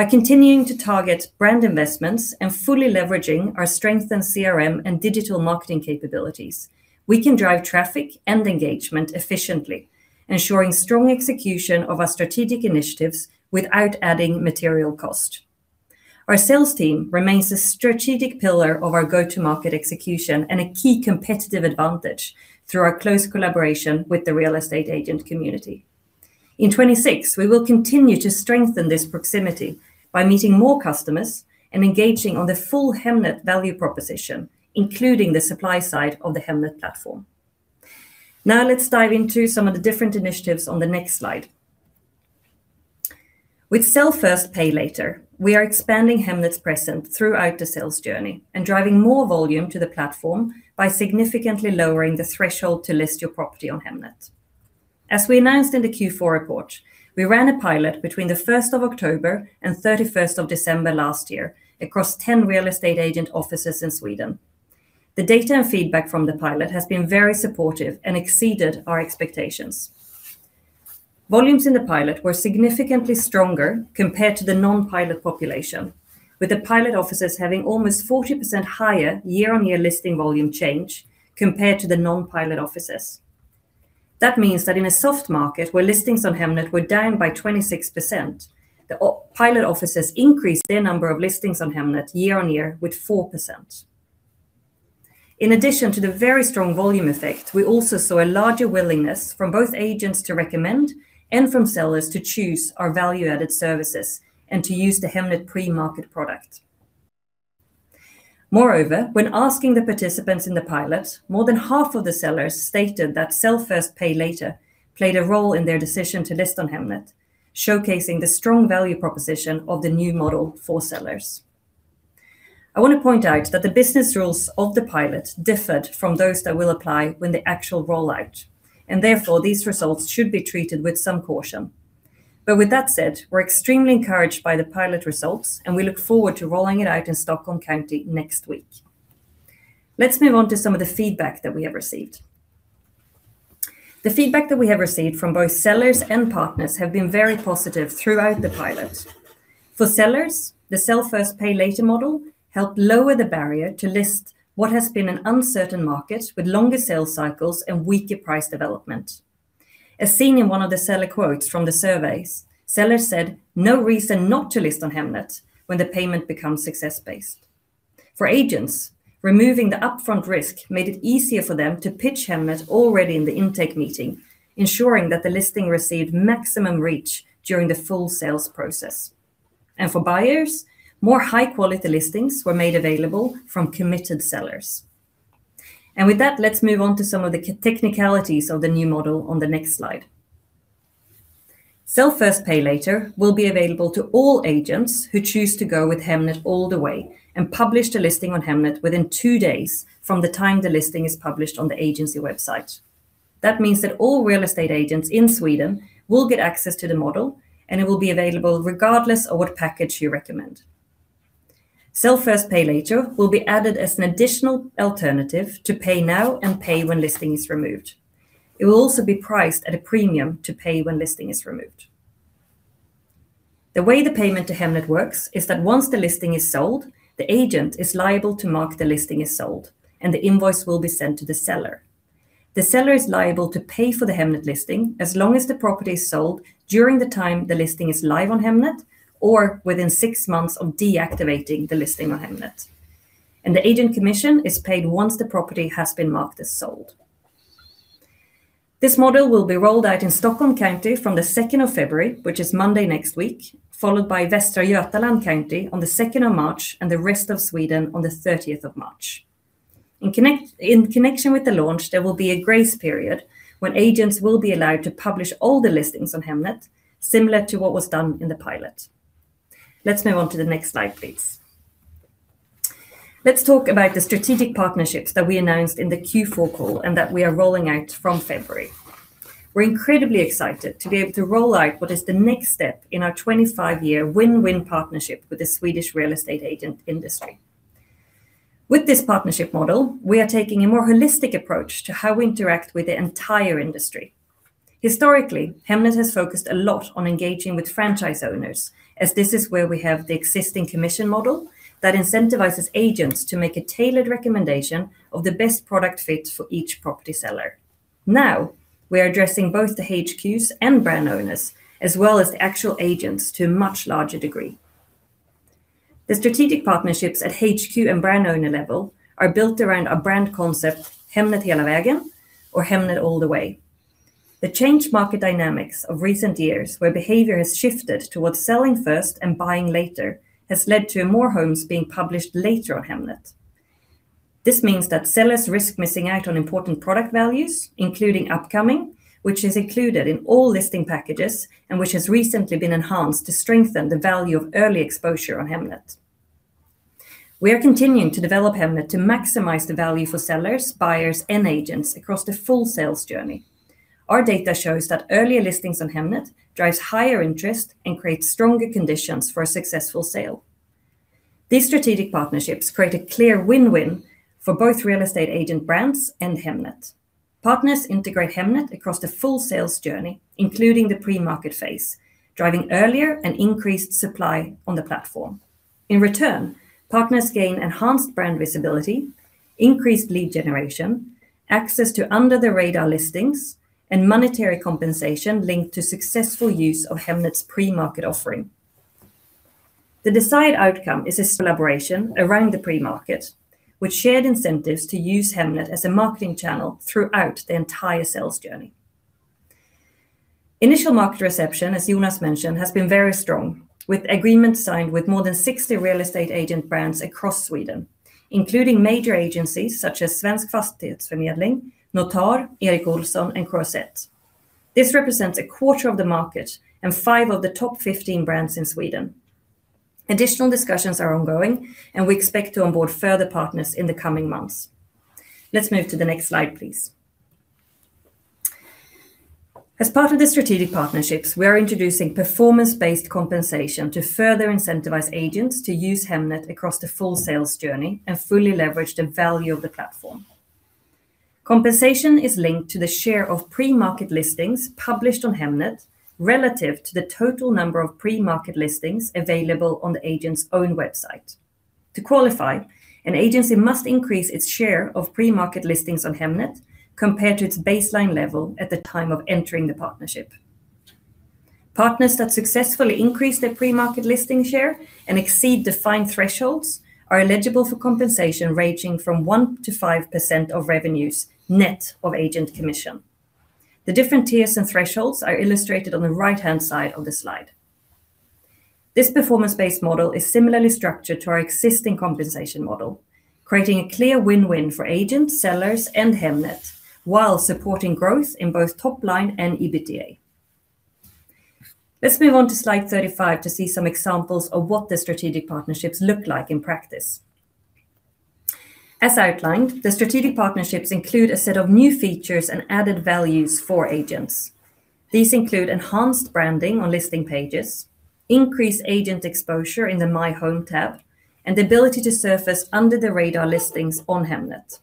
By continuing to target brand investments and fully leveraging our strength in CRM and digital marketing capabilities, we can drive traffic and engagement efficiently, ensuring strong execution of our strategic initiatives without adding material cost. Our sales team remains a strategic pillar of our go-to-market execution and a key competitive advantage through our close collaboration with the real estate agent community. In 2026, we will continue to strengthen this proximity by meeting more customers and engaging on the full Hemnet value proposition, including the supply side of the Hemnet platform. Now, let's dive into some of the different initiatives on the next slide. With Sell First, Pay Later, we are expanding Hemnet's presence throughout the sales journey and driving more volume to the platform by significantly lowering the threshold to list your property on Hemnet. As we announced in the Q4 report, we ran a pilot between the 1st of October and 31st of December last year across 10 real estate agent offices in Sweden. The data and feedback from the pilot has been very supportive and exceeded our expectations. Volumes in the pilot were significantly stronger compared to the non-pilot population, with the pilot offices having almost 40% higher year-on-year listing volume change compared to the non-pilot offices. That means that in a soft market, where listings on Hemnet were down by 26%, the pilot offices increased their number of listings on Hemnet year-over-year with 4%. In addition to the very strong volume effect, we also saw a larger willingness from both agents to recommend and from sellers to choose our value-added services and to use the Hemnet pre-market product. Moreover, when asking the participants in the pilot, more than half of the sellers stated that Sell First, Pay Later played a role in their decision to list on Hemnet, showcasing the strong value proposition of the new model for sellers. I want to point out that the business rules of the pilot differed from those that will apply when the actual rollout, and therefore, these results should be treated with some caution. But with that said, we're extremely encouraged by the pilot results, and we look forward to rolling it out in Stockholm County next week. Let's move on to some of the feedback that we have received. The feedback that we have received from both sellers and partners have been very positive throughout the pilot. For sellers, the Sell First, Pay Later model helped lower the barrier to list what has been an uncertain market, with longer sales cycles and weaker price development. As seen in one of the seller quotes from the surveys, sellers said, "No reason not to list on Hemnet when the payment becomes success-based." For agents, removing the upfront risk made it easier for them to pitch Hemnet already in the intake meeting, ensuring that the listing received maximum reach during the full sales process. And for buyers, more high-quality listings were made available from committed sellers. And with that, let's move on to some of the key technicalities of the new model on the next slide. Sell First, Pay Later will be available to all agents who choose to go with Hemnet All the Way and publish the listing on Hemnet within two days from the time the listing is published on the agency website. That means that all real estate agents in Sweden will get access to the model, and it will be available regardless of what package you recommend. Sell First, Pay Later will be added as an additional alternative to Pay Now and Pay When Listing Is Removed. It will also be priced at a premium to Pay When Listing Is Removed. The way the payment to Hemnet works is that once the listing is sold, the agent is liable to mark the listing as sold, and the invoice will be sent to the seller. The seller is liable to pay for the Hemnet listing as long as the property is sold during the time the listing is live on Hemnet or within six months of deactivating the listing on Hemnet, and the agent commission is paid once the property has been marked as sold. This model will be rolled out in Stockholm County from the 2nd of February, which is Monday next week, followed by Västra Götaland County on the 2nd of March, and the rest of Sweden on the 30th of March. In connection with the launch, there will be a grace period when agents will be allowed to publish all the listings on Hemnet, similar to what was done in the pilot. Let's move on to the next slide, please. Let's talk about the strategic partnerships that we announced in the Q4 call and that we are rolling out from February. We're incredibly excited to be able to roll out what is the next step in our 25-year win-win partnership with the Swedish real estate agent industry. With this partnership model, we are taking a more holistic approach to how we interact with the entire industry. Historically, Hemnet has focused a lot on engaging with franchise owners, as this is where we have the existing commission model that incentivizes agents to make a tailored recommendation of the best product fit for each property seller. Now, we are addressing both the HQs and brand owners, as well as the actual agents, to a much larger degree. The strategic partnerships at HQ and brand owner level are built around a brand concept, Hemnet Hela Vägen or Hemnet All The Way. The changed market dynamics of recent years, where behavior has shifted towards selling first and buying later, has led to more homes being published later on Hemnet. This means that sellers risk missing out on important product values, including Upcoming, which is included in all listing packages and which has recently been enhanced to strengthen the value of early exposure on Hemnet. We are continuing to develop Hemnet to maximize the value for sellers, buyers, and agents across the full sales journey. Our data shows that earlier listings on Hemnet drives higher interest and creates stronger conditions for a successful sale. These strategic partnerships create a clear win-win for both real estate agent brands and Hemnet. Partners integrate Hemnet across the full sales journey, including the pre-market phase, driving earlier and increased supply on the platform. In return, partners gain enhanced brand visibility, increased lead generation, access to under-the-radar listings, and monetary compensation linked to successful use of Hemnet's pre-market offering. The desired outcome is this collaboration around the pre-market, with shared incentives to use Hemnet as a marketing channel throughout the entire sales journey. Initial market reception, as Jonas mentioned, has been very strong, with agreements signed with more than 60 real estate agent brands across Sweden, including major agencies such as Svensk Fastighetsförmedling, Notar, Erik Olsson, and Croisette. This represents a quarter of the market and 5 of the top 15 brands in Sweden. Additional discussions are ongoing, and we expect to onboard further partners in the coming months. Let's move to the next slide, please. As part of the strategic partnerships, we are introducing performance-based compensation to further incentivize agents to use Hemnet across the full sales journey and fully leverage the value of the platform. Compensation is linked to the share of pre-market listings published on Hemnet relative to the total number of pre-market listings available on the agent's own website. To qualify, an agency must increase its share of pre-market listings on Hemnet compared to its baseline level at the time of entering the partnership. Partners that successfully increase their pre-market listing share and exceed defined thresholds are eligible for compensation ranging from 1%-5% of revenues, net of agent commission. The different tiers and thresholds are illustrated on the right-hand side of the slide. This performance-based model is similarly structured to our existing compensation model, creating a clear win-win for agent, sellers, and Hemnet, while supporting growth in both top line and EBITDA. Let's move on to slide 35 to see some examples of what the strategic partnerships look like in practice. As outlined, the strategic partnerships include a set of new features and added values for agents. These include enhanced branding on listing pages, increased agent exposure in the My Home tab, and the ability to surface under-the-radar listings on Hemnet.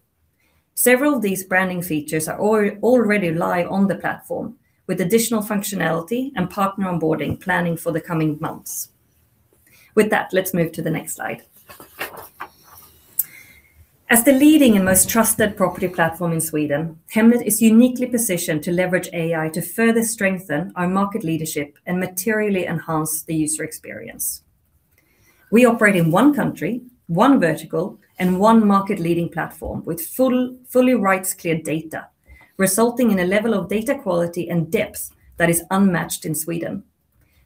Several of these branding features are already live on the platform, with additional functionality and partner onboarding planning for the coming months. With that, let's move to the next slide. As the leading and most trusted property platform in Sweden, Hemnet is uniquely positioned to leverage AI to further strengthen our market leadership and materially enhance the user experience. We operate in one country, one vertical, and one market-leading platform with full rights, clear data, resulting in a level of data quality and depth that is unmatched in Sweden.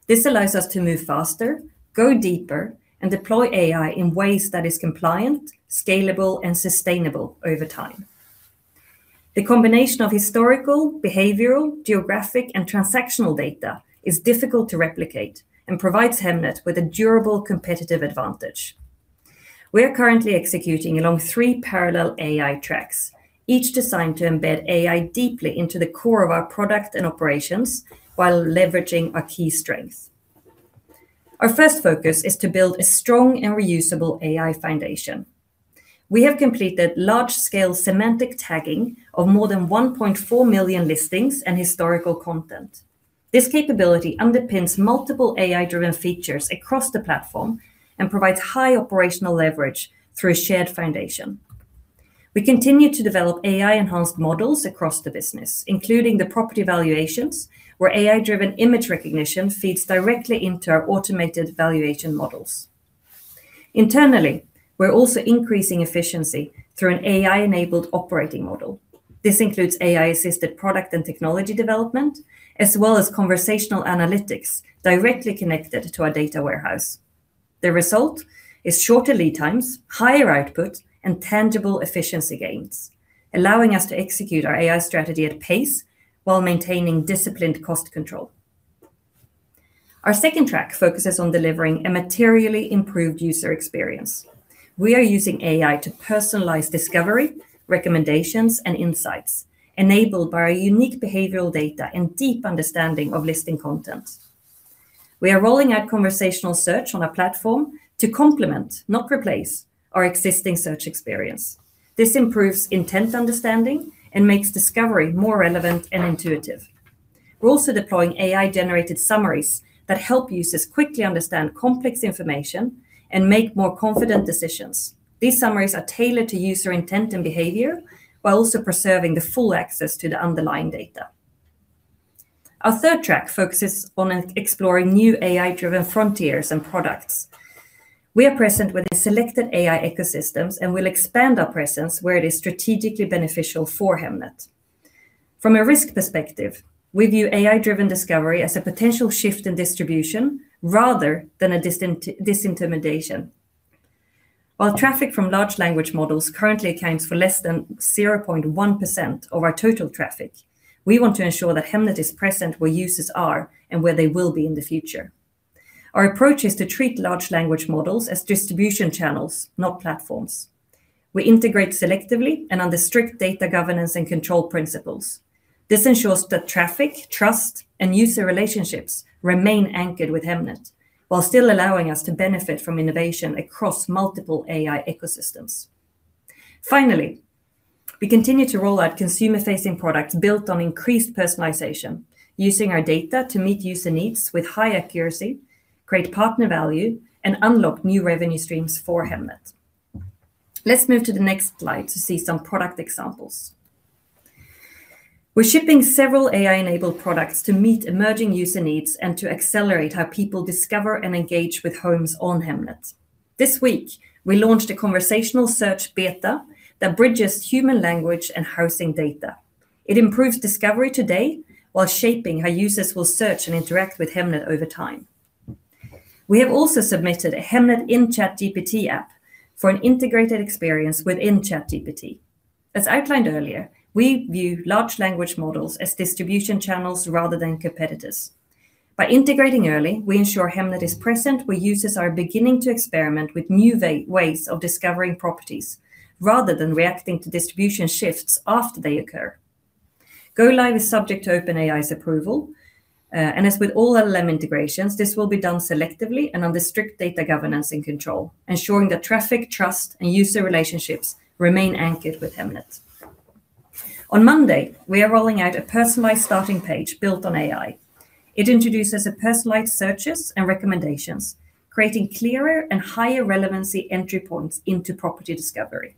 This allows us to move faster, go deeper, and deploy AI in ways that is compliant, scalable, and sustainable over time. The combination of historical, behavioral, geographic, and transactional data is difficult to replicate and provides Hemnet with a durable, competitive advantage. We are currently executing along three parallel AI tracks, each designed to embed AI deeply into the core of our product and operations, while leveraging our key strengths. Our first focus is to build a strong and reusable AI foundation. We have completed large-scale semantic tagging of more than 1.4 million listings and historical content. This capability underpins multiple AI-driven features across the platform and provides high operational leverage through a shared foundation. We continue to develop AI-enhanced models across the business, including the property valuations, where AI-driven image recognition feeds directly into our automated valuation models. Internally, we're also increasing efficiency through an AI-enabled operating model. This includes AI-assisted product and technology development, as well as conversational analytics directly connected to our data warehouse. The result is shorter lead times, higher output, and tangible efficiency gains, allowing us to execute our AI strategy at pace while maintaining disciplined cost control. Our second track focuses on delivering a materially improved user experience. We are using AI to personalize discovery, recommendations, and insights, enabled by our unique behavioral data and deep understanding of listing content. We are rolling out conversational search on our platform to complement, not replace, our existing search experience. This improves intent understanding and makes discovery more relevant and intuitive. We're also deploying AI-generated summaries that help users quickly understand complex information and make more confident decisions. These summaries are tailored to user intent and behavior, while also preserving the full access to the underlying data. Our third track focuses on exploring new AI-driven frontiers and products. We are present with the selected AI ecosystems and will expand our presence where it is strategically beneficial for Hemnet. From a risk perspective, we view AI-driven discovery as a potential shift in distribution rather than a disintermediation. While traffic from large language models currently accounts for less than 0.1% of our total traffic, we want to ensure that Hemnet is present where users are and where they will be in the future. Our approach is to treat large language models as distribution channels, not platforms. We integrate selectively and under strict data governance and control principles. This ensures that traffic, trust, and user relationships remain anchored with Hemnet, while still allowing us to benefit from innovation across multiple AI ecosystems. Finally, we continue to roll out consumer-facing products built on increased personalization, using our data to meet user needs with high accuracy, create partner value, and unlock new revenue streams for Hemnet. Let's move to the next slide to see some product examples. We're shipping several AI-enabled products to meet emerging user needs and to accelerate how people discover and engage with homes on Hemnet. This week, we launched a conversational search beta that bridges human language and housing data. It improves discovery today while shaping how users will search and interact with Hemnet over time. We have also submitted a Hemnet in ChatGPT app for an integrated experience within ChatGPT. As outlined earlier, we view large language models as distribution channels rather than competitors. By integrating early, we ensure Hemnet is present, where users are beginning to experiment with new ways of discovering properties, rather than reacting to distribution shifts after they occur. Go Live is subject to OpenAI's approval, and as with all LLM integrations, this will be done selectively and under strict data governance and control, ensuring that traffic, trust, and user relationships remain anchored with Hemnet. On Monday, we are rolling out a personalized starting page built on AI. It introduces a personalized searches and recommendations, creating clearer and higher relevancy entry points into property discovery.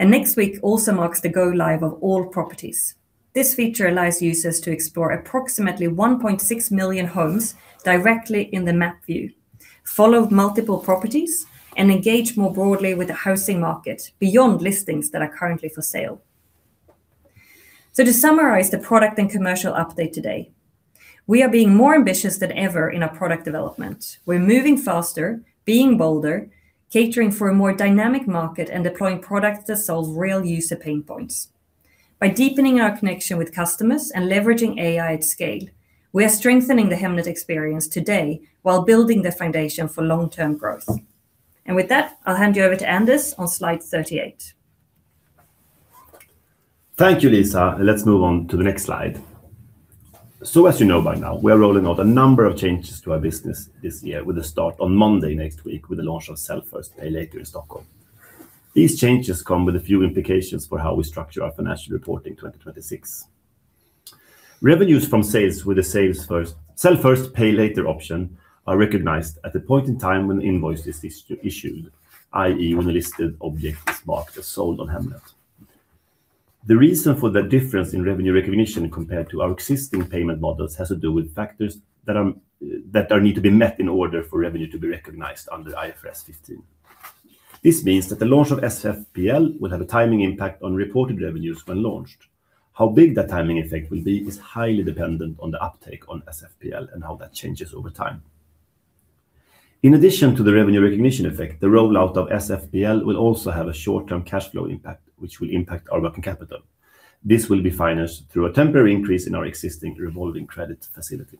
And next week also marks the go-live of All Properties. This feature allows users to explore approximately 1.6 million homes directly in the map view, follow multiple properties, and engage more broadly with the housing market beyond listings that are currently for sale. To summarize the product and commercial update today, we are being more ambitious than ever in our product development. We're moving faster, being bolder, catering for a more dynamic market, and deploying products that solve real user pain points. By deepening our connection with customers and leveraging AI at scale, we are strengthening the Hemnet experience today while building the foundation for long-term growth. With that, I'll hand you over to Anders on slide 38. Thank you, Lisa. Let's move on to the next slide. So as you know by now, we are rolling out a number of changes to our business this year, with a start on Monday next week, with the launch of Sell First, Pay Later in Stockholm. These changes come with a few implications for how we structure our financial reporting in 2026. Revenues from sales with a Sell First, Sell First, Pay Later option are recognized at the point in time when the invoice is issued, i.e., when the listed object is marked as sold on Hemnet. The reason for the difference in revenue recognition compared to our existing payment models has to do with factors that need to be met in order for revenue to be recognized under IFRS 15. This means that the launch of SFPL will have a timing impact on reported revenues when launched. How big that timing effect will be is highly dependent on the uptake on SFPL and how that changes over time. In addition to the revenue recognition effect, the rollout of SFPL will also have a short-term cash flow impact, which will impact our working capital. This will be financed through a temporary increase in our existing revolving credit facility.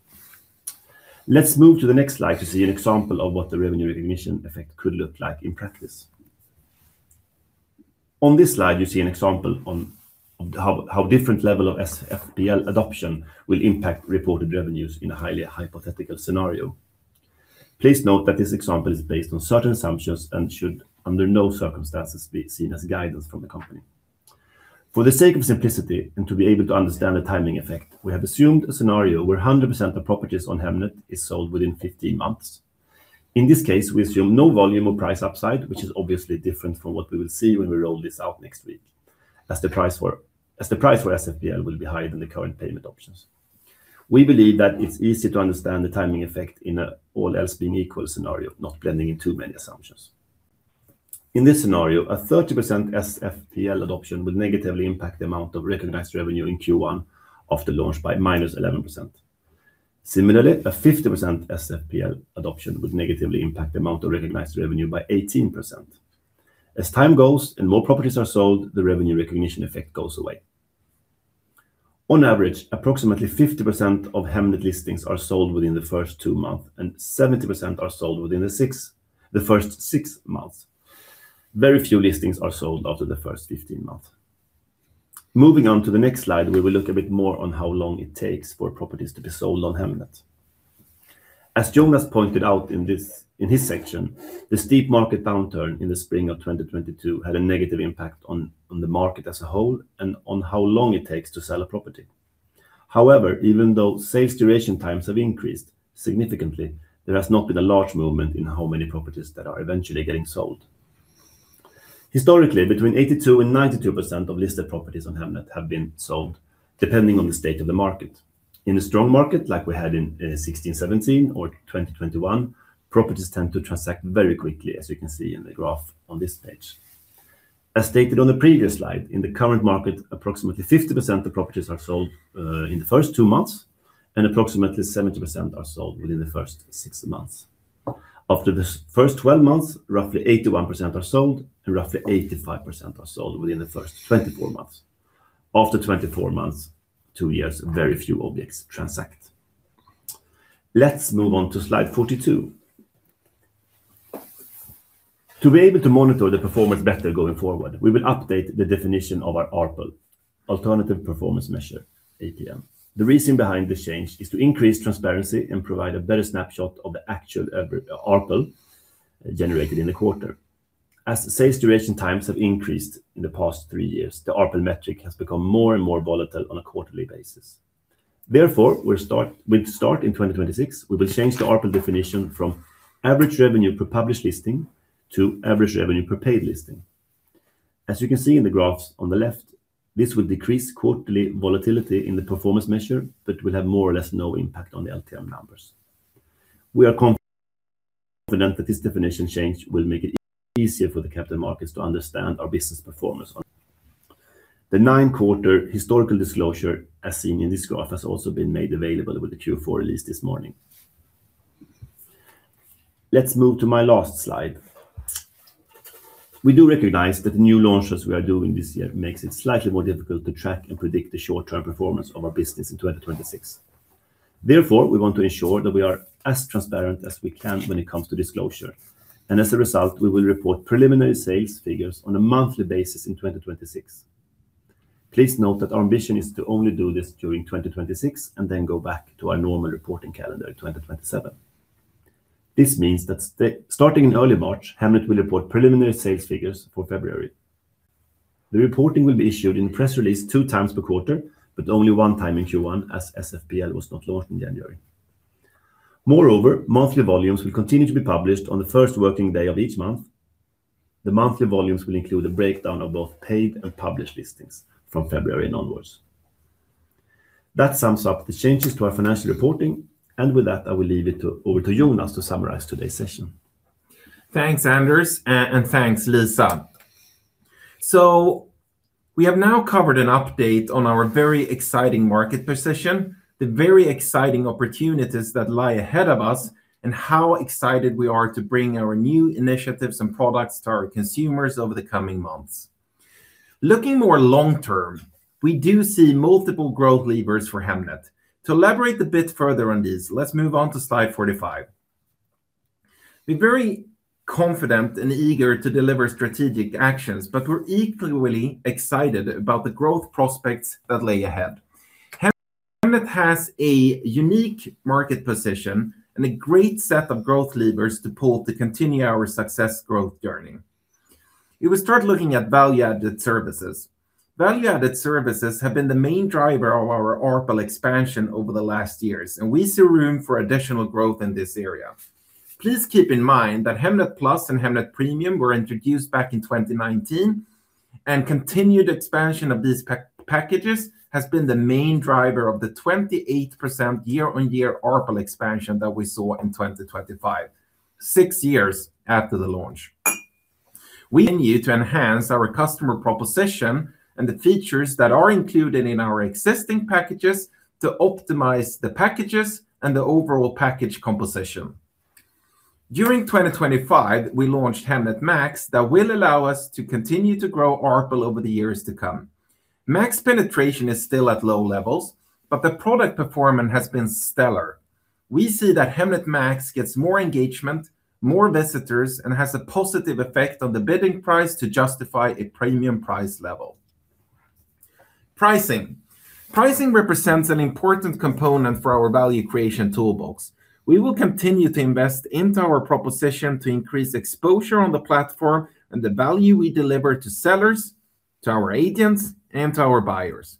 Let's move to the next slide to see an example of what the revenue recognition effect could look like in practice. On this slide, you see an example on how different level of SFPL adoption will impact reported revenues in a highly hypothetical scenario. Please note that this example is based on certain assumptions and should, under no circumstances, be seen as guidance from the company. For the sake of simplicity and to be able to understand the timing effect, we have assumed a scenario where 100% of properties on Hemnet is sold within 15 months. In this case, we assume no volume or price upside, which is obviously different from what we will see when we roll this out next week. As the price for SFPL will be higher than the current payment options. We believe that it's easy to understand the timing effect in an all else being equal scenario, not blending in too many assumptions. In this scenario, a 30% SFPL adoption would negatively impact the amount of recognized revenue in Q1 after launch by minus 11%. Similarly, a 50% SFPL adoption would negatively impact the amount of recognized revenue by 18%. As time goes and more properties are sold, the revenue recognition effect goes away. On average, approximately 50% of Hemnet listings are sold within the first 2 months, and 70% are sold within the first 6 months. Very few listings are sold after the first 15 months. Moving on to the next slide, we will look a bit more on how long it takes for properties to be sold on Hemnet. As Jonas pointed out in his section, the steep market downturn in the spring of 2022 had a negative impact on the market as a whole and on how long it takes to sell a property. However, even though sales duration times have increased significantly, there has not been a large movement in how many properties that are eventually getting sold. Historically, between 82% and 92% of listed properties on Hemnet have been sold, depending on the state of the market. In a strong market, like we had in 2016, 2017 or 2021, properties tend to transact very quickly, as you can see in the graph on this page. As stated on the previous slide, in the current market, approximately 50% of properties are sold in the first 2 months, and approximately 70% are sold within the first 6 months. After the first 12 months, roughly 81% are sold, and roughly 85% are sold within the first 24 months. After 24 months, 2 years, very few objects transact. Let's move on to slide 42. To be able to monitor the performance better going forward, we will update the definition of our ARPL, Alternative Performance Measure, APM. The reason behind this change is to increase transparency and provide a better snapshot of the actual ARPL generated in the quarter. As sales duration times have increased in the past three years, the ARPL metric has become more and more volatile on a quarterly basis. Therefore, we'll start in 2026, we will change the ARPL definition from average revenue per published listing to average revenue per paid listing. As you can see in the graphs on the left, this will decrease quarterly volatility in the performance measure, but will have more or less no impact on the LTM numbers. We are confident that this definition change will make it easier for the capital markets to understand our business performance. The nine-quarter historical disclosure, as seen in this graph, has also been made available with the Q4 release this morning. Let's move to my last slide. We do recognize that the new launches we are doing this year makes it slightly more difficult to track and predict the short-term performance of our business in 2026. Therefore, we want to ensure that we are as transparent as we can when it comes to disclosure, and as a result, we will report preliminary sales figures on a monthly basis in 2026. Please note that our ambition is to only do this during 2026 and then go back to our normal reporting calendar in 2027. This means that starting in early March, Hemnet will report preliminary sales figures for February. The reporting will be issued in a press release two times per quarter, but only one time in Q1, as SFPL was not launched in January. Moreover, monthly volumes will continue to be published on the first working day of each month. The monthly volumes will include a breakdown of both paid and published listings from February onward. That sums up the changes to our financial reporting, and with that, I will leave it to, over to Jonas to summarize today's session. Thanks, Anders, and thanks, Lisa. So we have now covered an update on our very exciting market position, the very exciting opportunities that lie ahead of us, and how excited we are to bring our new initiatives and products to our consumers over the coming months. Looking more long-term, we do see multiple growth levers for Hemnet. To elaborate a bit further on these, let's move on to slide 45. We're very confident and eager to deliver strategic actions, but we're equally excited about the growth prospects that lay ahead. Hemnet has a unique market position and a great set of growth levers to pull to continue our success growth journey. If we start looking at value-added services. Value-added services have been the main driver of our ARPL expansion over the last years, and we see room for additional growth in this area. Please keep in mind that Hemnet Plus and Hemnet Premium were introduced back in 2019, and continued expansion of these packages has been the main driver of the 28% year-on-year ARPL expansion that we saw in 2025, six years after the launch. We need to enhance our customer proposition and the features that are included in our existing packages to optimize the packages and the overall package composition. During 2025, we launched Hemnet Max, that will allow us to continue to grow ARPL over the years to come. Max penetration is still at low levels, but the product performance has been stellar. We see that Hemnet Max gets more engagement, more visitors, and has a positive effect on the bidding price to justify a premium price level. Pricing. Pricing represents an important component for our value creation toolbox. We will continue to invest into our proposition to increase exposure on the platform and the value we deliver to sellers, to our agents, and to our buyers.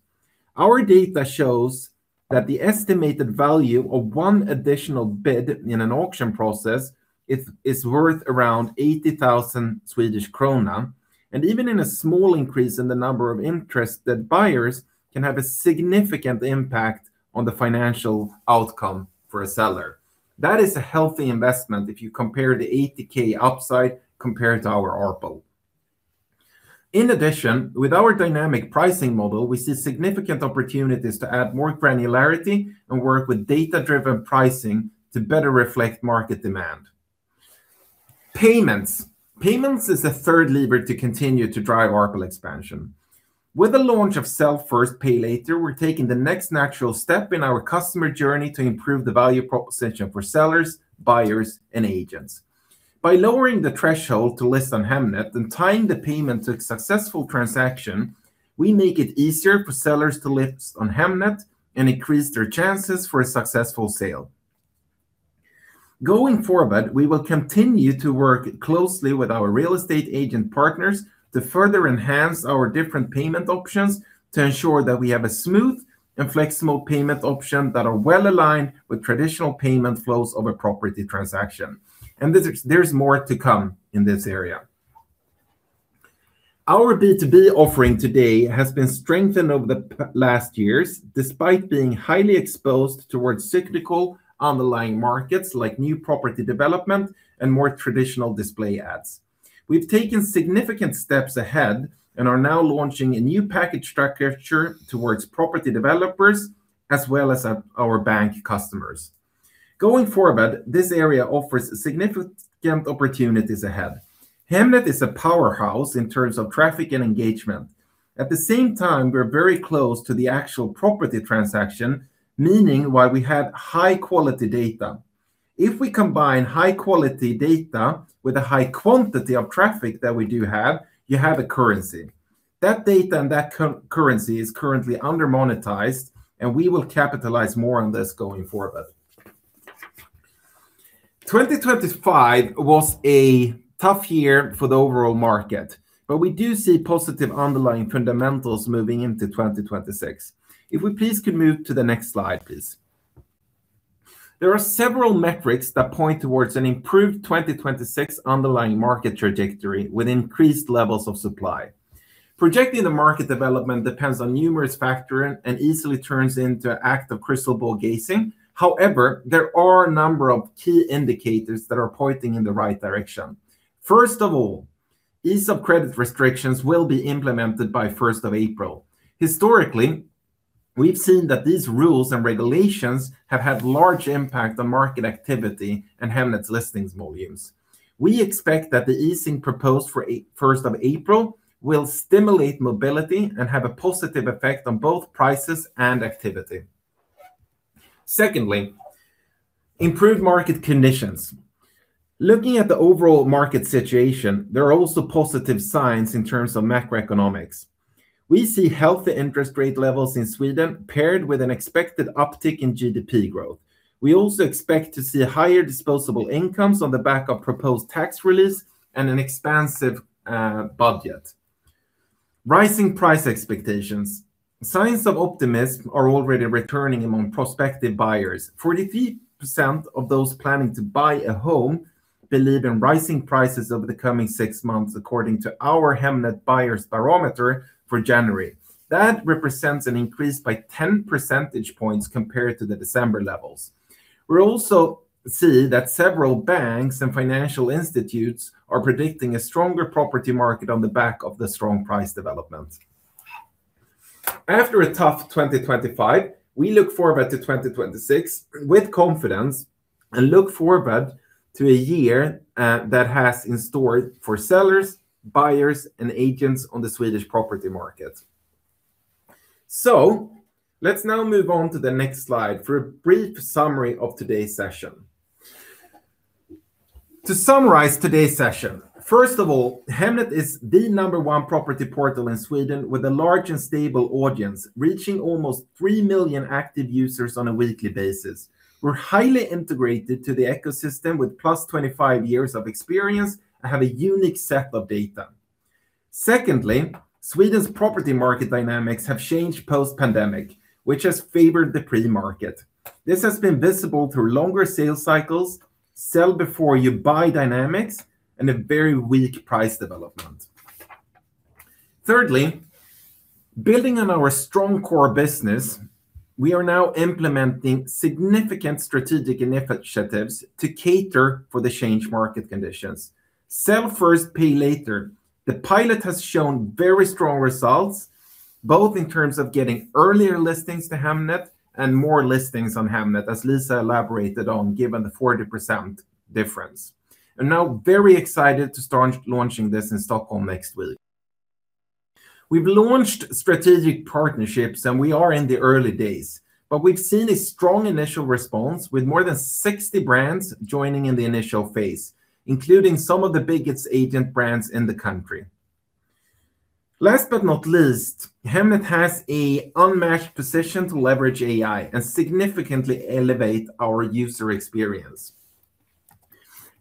Our data shows that the estimated value of one additional bid in an auction process is worth around 80,000 Swedish krona, and even a small increase in the number of interested buyers can have a significant impact on the financial outcome for a seller. That is a healthy investment if you compare the 80,000 upside compared to our ARPL. In addition, with our dynamic pricing model, we see significant opportunities to add more granularity and work with data-driven pricing to better reflect market demand. Payments. Payments is the third lever to continue to drive ARPL expansion. With the launch of Sell First, Pay Later, we're taking the next natural step in our customer journey to improve the value proposition for sellers, buyers, and agents. By lowering the threshold to list on Hemnet and tying the payment to a successful transaction, we make it easier for sellers to list on Hemnet and increase their chances for a successful sale. Going forward, we will continue to work closely with our real estate agent partners to further enhance our different payment options to ensure that we have a smooth and flexible payment option that are well aligned with traditional payment flows of a property transaction. And there's more to come in this area. Our B2B offering today has been strengthened over the last years, despite being highly exposed towards cyclical underlying markets like new property development and more traditional display ads. We've taken significant steps ahead and are now launching a new package structure towards property developers as well as our bank customers. Going forward, this area offers significant opportunities ahead. Hemnet is a powerhouse in terms of traffic and engagement. At the same time, we're very close to the actual property transaction, meaning while we have high-quality data. If we combine high-quality data with a high quantity of traffic that we do have, you have a currency. That data and that currency is currently under-monetized, and we will capitalize more on this going forward. 2025 was a tough year for the overall market, but we do see positive underlying fundamentals moving into 2026. If we please could move to the next slide, please. There are several metrics that point towards an improved 2026 underlying market trajectory with increased levels of supply. Projecting the market development depends on numerous factors and easily turns into an act of crystal ball gazing. However, there are a number of key indicators that are pointing in the right direction. First of all, ease of credit restrictions will be implemented by first of April. Historically, we've seen that these rules and regulations have had large impact on market activity and Hemnet's listings volumes. We expect that the easing proposed for first of April, will stimulate mobility and have a positive effect on both prices and activity. Secondly, improved market conditions. Looking at the overall market situation, there are also positive signs in terms of macroeconomics. We see healthy interest rate levels in Sweden, paired with an expected uptick in GDP growth. We also expect to see higher disposable incomes on the back of proposed tax release and an expansive budget. Rising price expectations. Signs of optimism are already returning among prospective buyers. 43% of those planning to buy a home believe in rising prices over the coming six months, according to our Hemnet Buyers Barometer for January. That represents an increase by 10 percentage points compared to the December levels. We're also see that several banks and financial institutes are predicting a stronger property market on the back of the strong price development. After a tough 2025, we look forward to 2026 with confidence, and look forward to a year that has in store for sellers, buyers, and agents on the Swedish property market. Let's now move on to the next slide for a brief summary of today's session. To summarize today's session, first of all, Hemnet is the number one property portal in Sweden, with a large and stable audience, reaching almost 3 million active users on a weekly basis. We're highly integrated to the ecosystem with +25 years of experience and have a unique set of data. Secondly, Sweden's property market dynamics have changed post-pandemic, which has favored the pre-market. This has been visible through longer sales cycles, sell before you buy dynamics, and a very weak price development. Thirdly, building on our strong core business, we are now implementing significant strategic initiatives to cater for the changed market conditions. Sell First, Pay Later. The pilot has shown very strong results, both in terms of getting earlier listings to Hemnet and more listings on Hemnet, as Lisa elaborated on, given the 40% difference. Now very excited to start launching this in Stockholm next week. We've launched strategic partnerships, and we are in the early days, but we've seen a strong initial response with more than 60 brands joining in the initial phase, including some of the biggest agent brands in the country. Last but not least, Hemnet has an unmatched position to leverage AI and significantly elevate our user experience.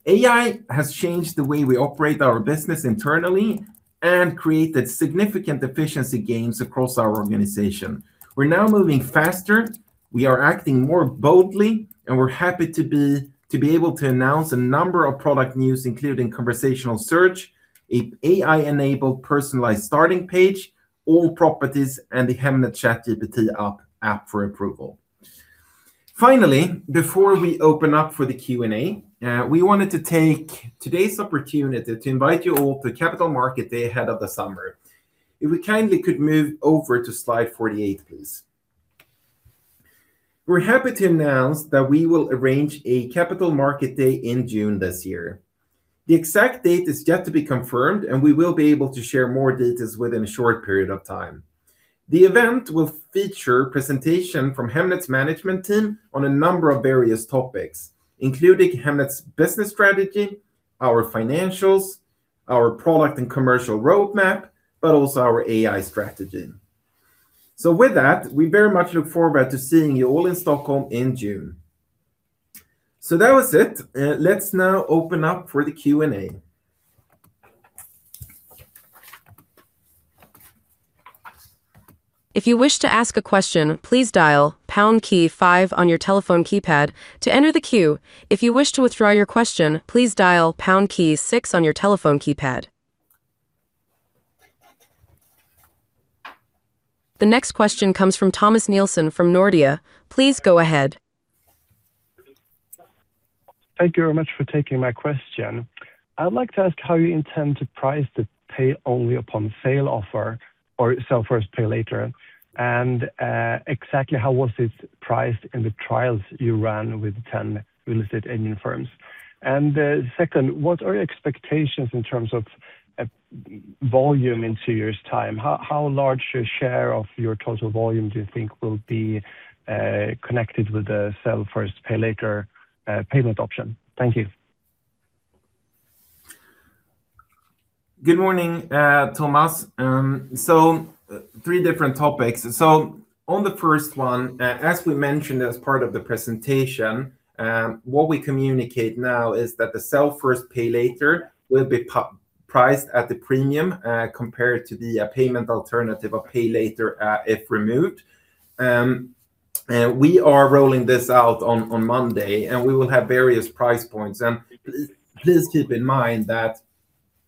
AI has changed the way we operate our business internally and created significant efficiency gains across our organization. We're now moving faster, we are acting more boldly, and we're happy to be able to announce a number of product news, including conversational search, an AI-enabled personalized starting page, All Properties, and the Hemnet ChatGPT app for approval. Finally, before we open up for the Q&A, we wanted to take today's opportunity to invite you all to Capital Market Day ahead of the summer. If we kindly could move over to slide 48, please. We're happy to announce that we will arrange a Capital Market Day in June this year. The exact date is yet to be confirmed, and we will be able to share more details within a short period of time. The event will feature presentation from Hemnet's management team on a number of various topics, including Hemnet's business strategy, our financials, our product and commercial roadmap, but also our AI strategy. So with that, we very much look forward to seeing you all in Stockholm in June. So that was it. Let's now open up for the Q&A. If you wish to ask a question, please dial pound key five on your telephone keypad to enter the queue. If you wish to withdraw your question, please dial pound key six on your telephone keypad. The next question comes from Thomas Nielsen from Nordea. Please go ahead. Thank you very much for taking my question. I would like to ask how you intend to price the pay only upon sale offer or Sell First, Pay Later, and exactly how was it priced in the trials you ran with 10 real estate agent firms? And second, what are your expectations in terms of volume in two years' time? How large a share of your total volume do you think will be connected with the Sell First, Pay Later payment option? Thank you. Good morning, Thomas. So three different topics. So on the first one, as we mentioned, as part of the presentation, what we communicate now is that the Sell First, Pay Later will be priced at the premium, compared to the payment alternative of Pay Later, if removed. And we are rolling this out on Monday, and we will have various price points. Please keep in mind that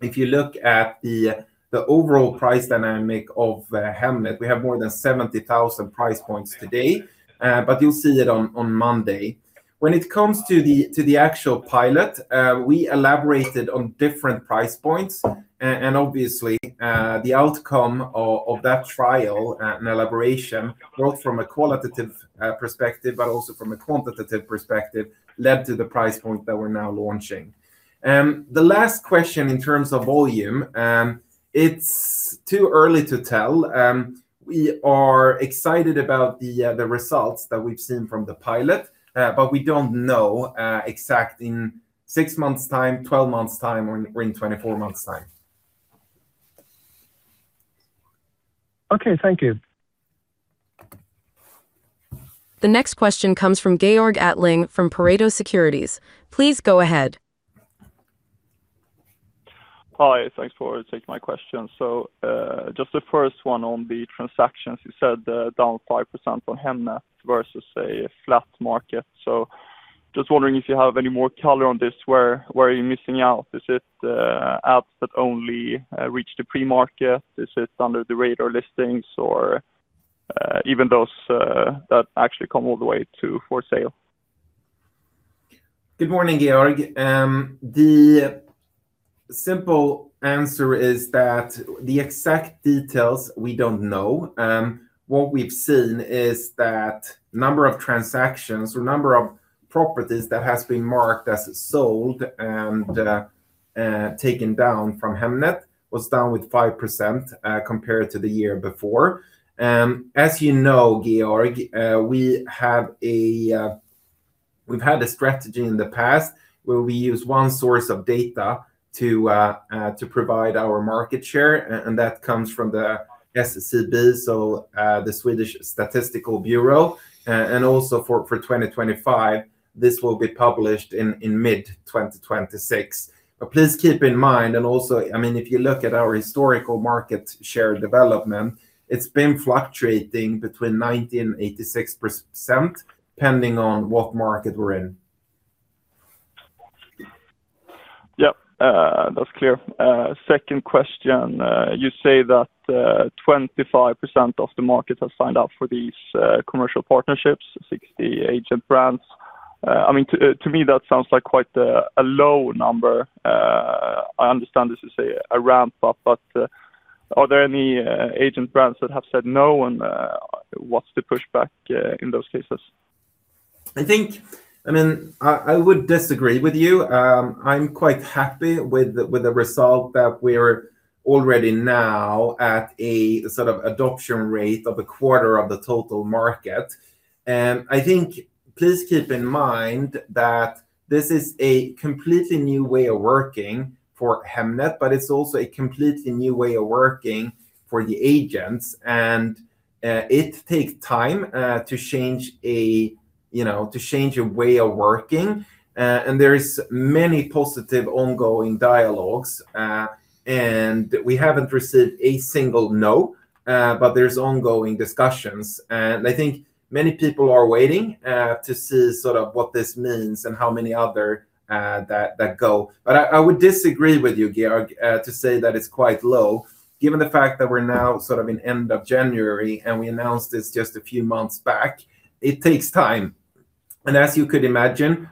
if you look at the overall price dynamic of Hemnet, we have more than 70,000 price points today. But you'll see it on Monday. When it comes to the actual pilot, we elaborated on different price points. Obviously, the outcome of, of that trial and elaboration, both from a qualitative perspective, but also from a quantitative perspective, led to the price point that we're now launching. The last question in terms of volume, it's too early to tell. We are excited about the, the results that we've seen from the pilot, but we don't know, exact in 6 months' time, 12 months' time, or in, or in 24 months' time. Okay. Thank you. The next question comes from Georg Attling, from Pareto Securities. Please go ahead. Hi, thanks for taking my question. So, just the first one on the transactions, you said, down 5% on Hemnet versus a flat market. So just wondering if you have any more color on this, where, where are you missing out? Is it, apps that only, reach the pre-market? Is it under the radar listings or, even those, that actually come all the way to for sale? Good morning, Georg. The simple answer is that the exact details, we don't know. What we've seen is that number of transactions or number of properties that has been marked as sold and taken down from Hemnet was down with 5%, compared to the year before. As you know, Georg, we've had a strategy in the past where we use one source of data to provide our market share, and that comes from the SCB, so the Swedish Statistical Bureau. And also for 2025, this will be published in mid-2026. But please keep in mind, and also, I mean, if you look at our historical market share development, it's been fluctuating between 90% and 86%, depending on what market we're in. Yep, that's clear. Second question. You say that 25% of the market has signed up for these commercial partnerships, 60 agent brands. I mean, to me, that sounds like quite a low number. I understand this is a ramp-up, but are there any agent brands that have said no, and what's the pushback in those cases? I think, I mean, I would disagree with you. I'm quite happy with the result that we're already now at a sort of adoption rate of a quarter of the total market. I think please keep in mind that this is a completely new way of working for Hemnet, but it's also a completely new way of working for the agents, and it takes time, you know, to change a way of working. And there is many positive ongoing dialogues, and we haven't received a single no, but there's ongoing discussions. And I think many people are waiting to see sort of what this means and how many other that go. But I would disagree with you, Georg, to say that it's quite low, given the fact that we're now sort of at the end of January, and we announced this just a few months back. It takes time. And as you could imagine,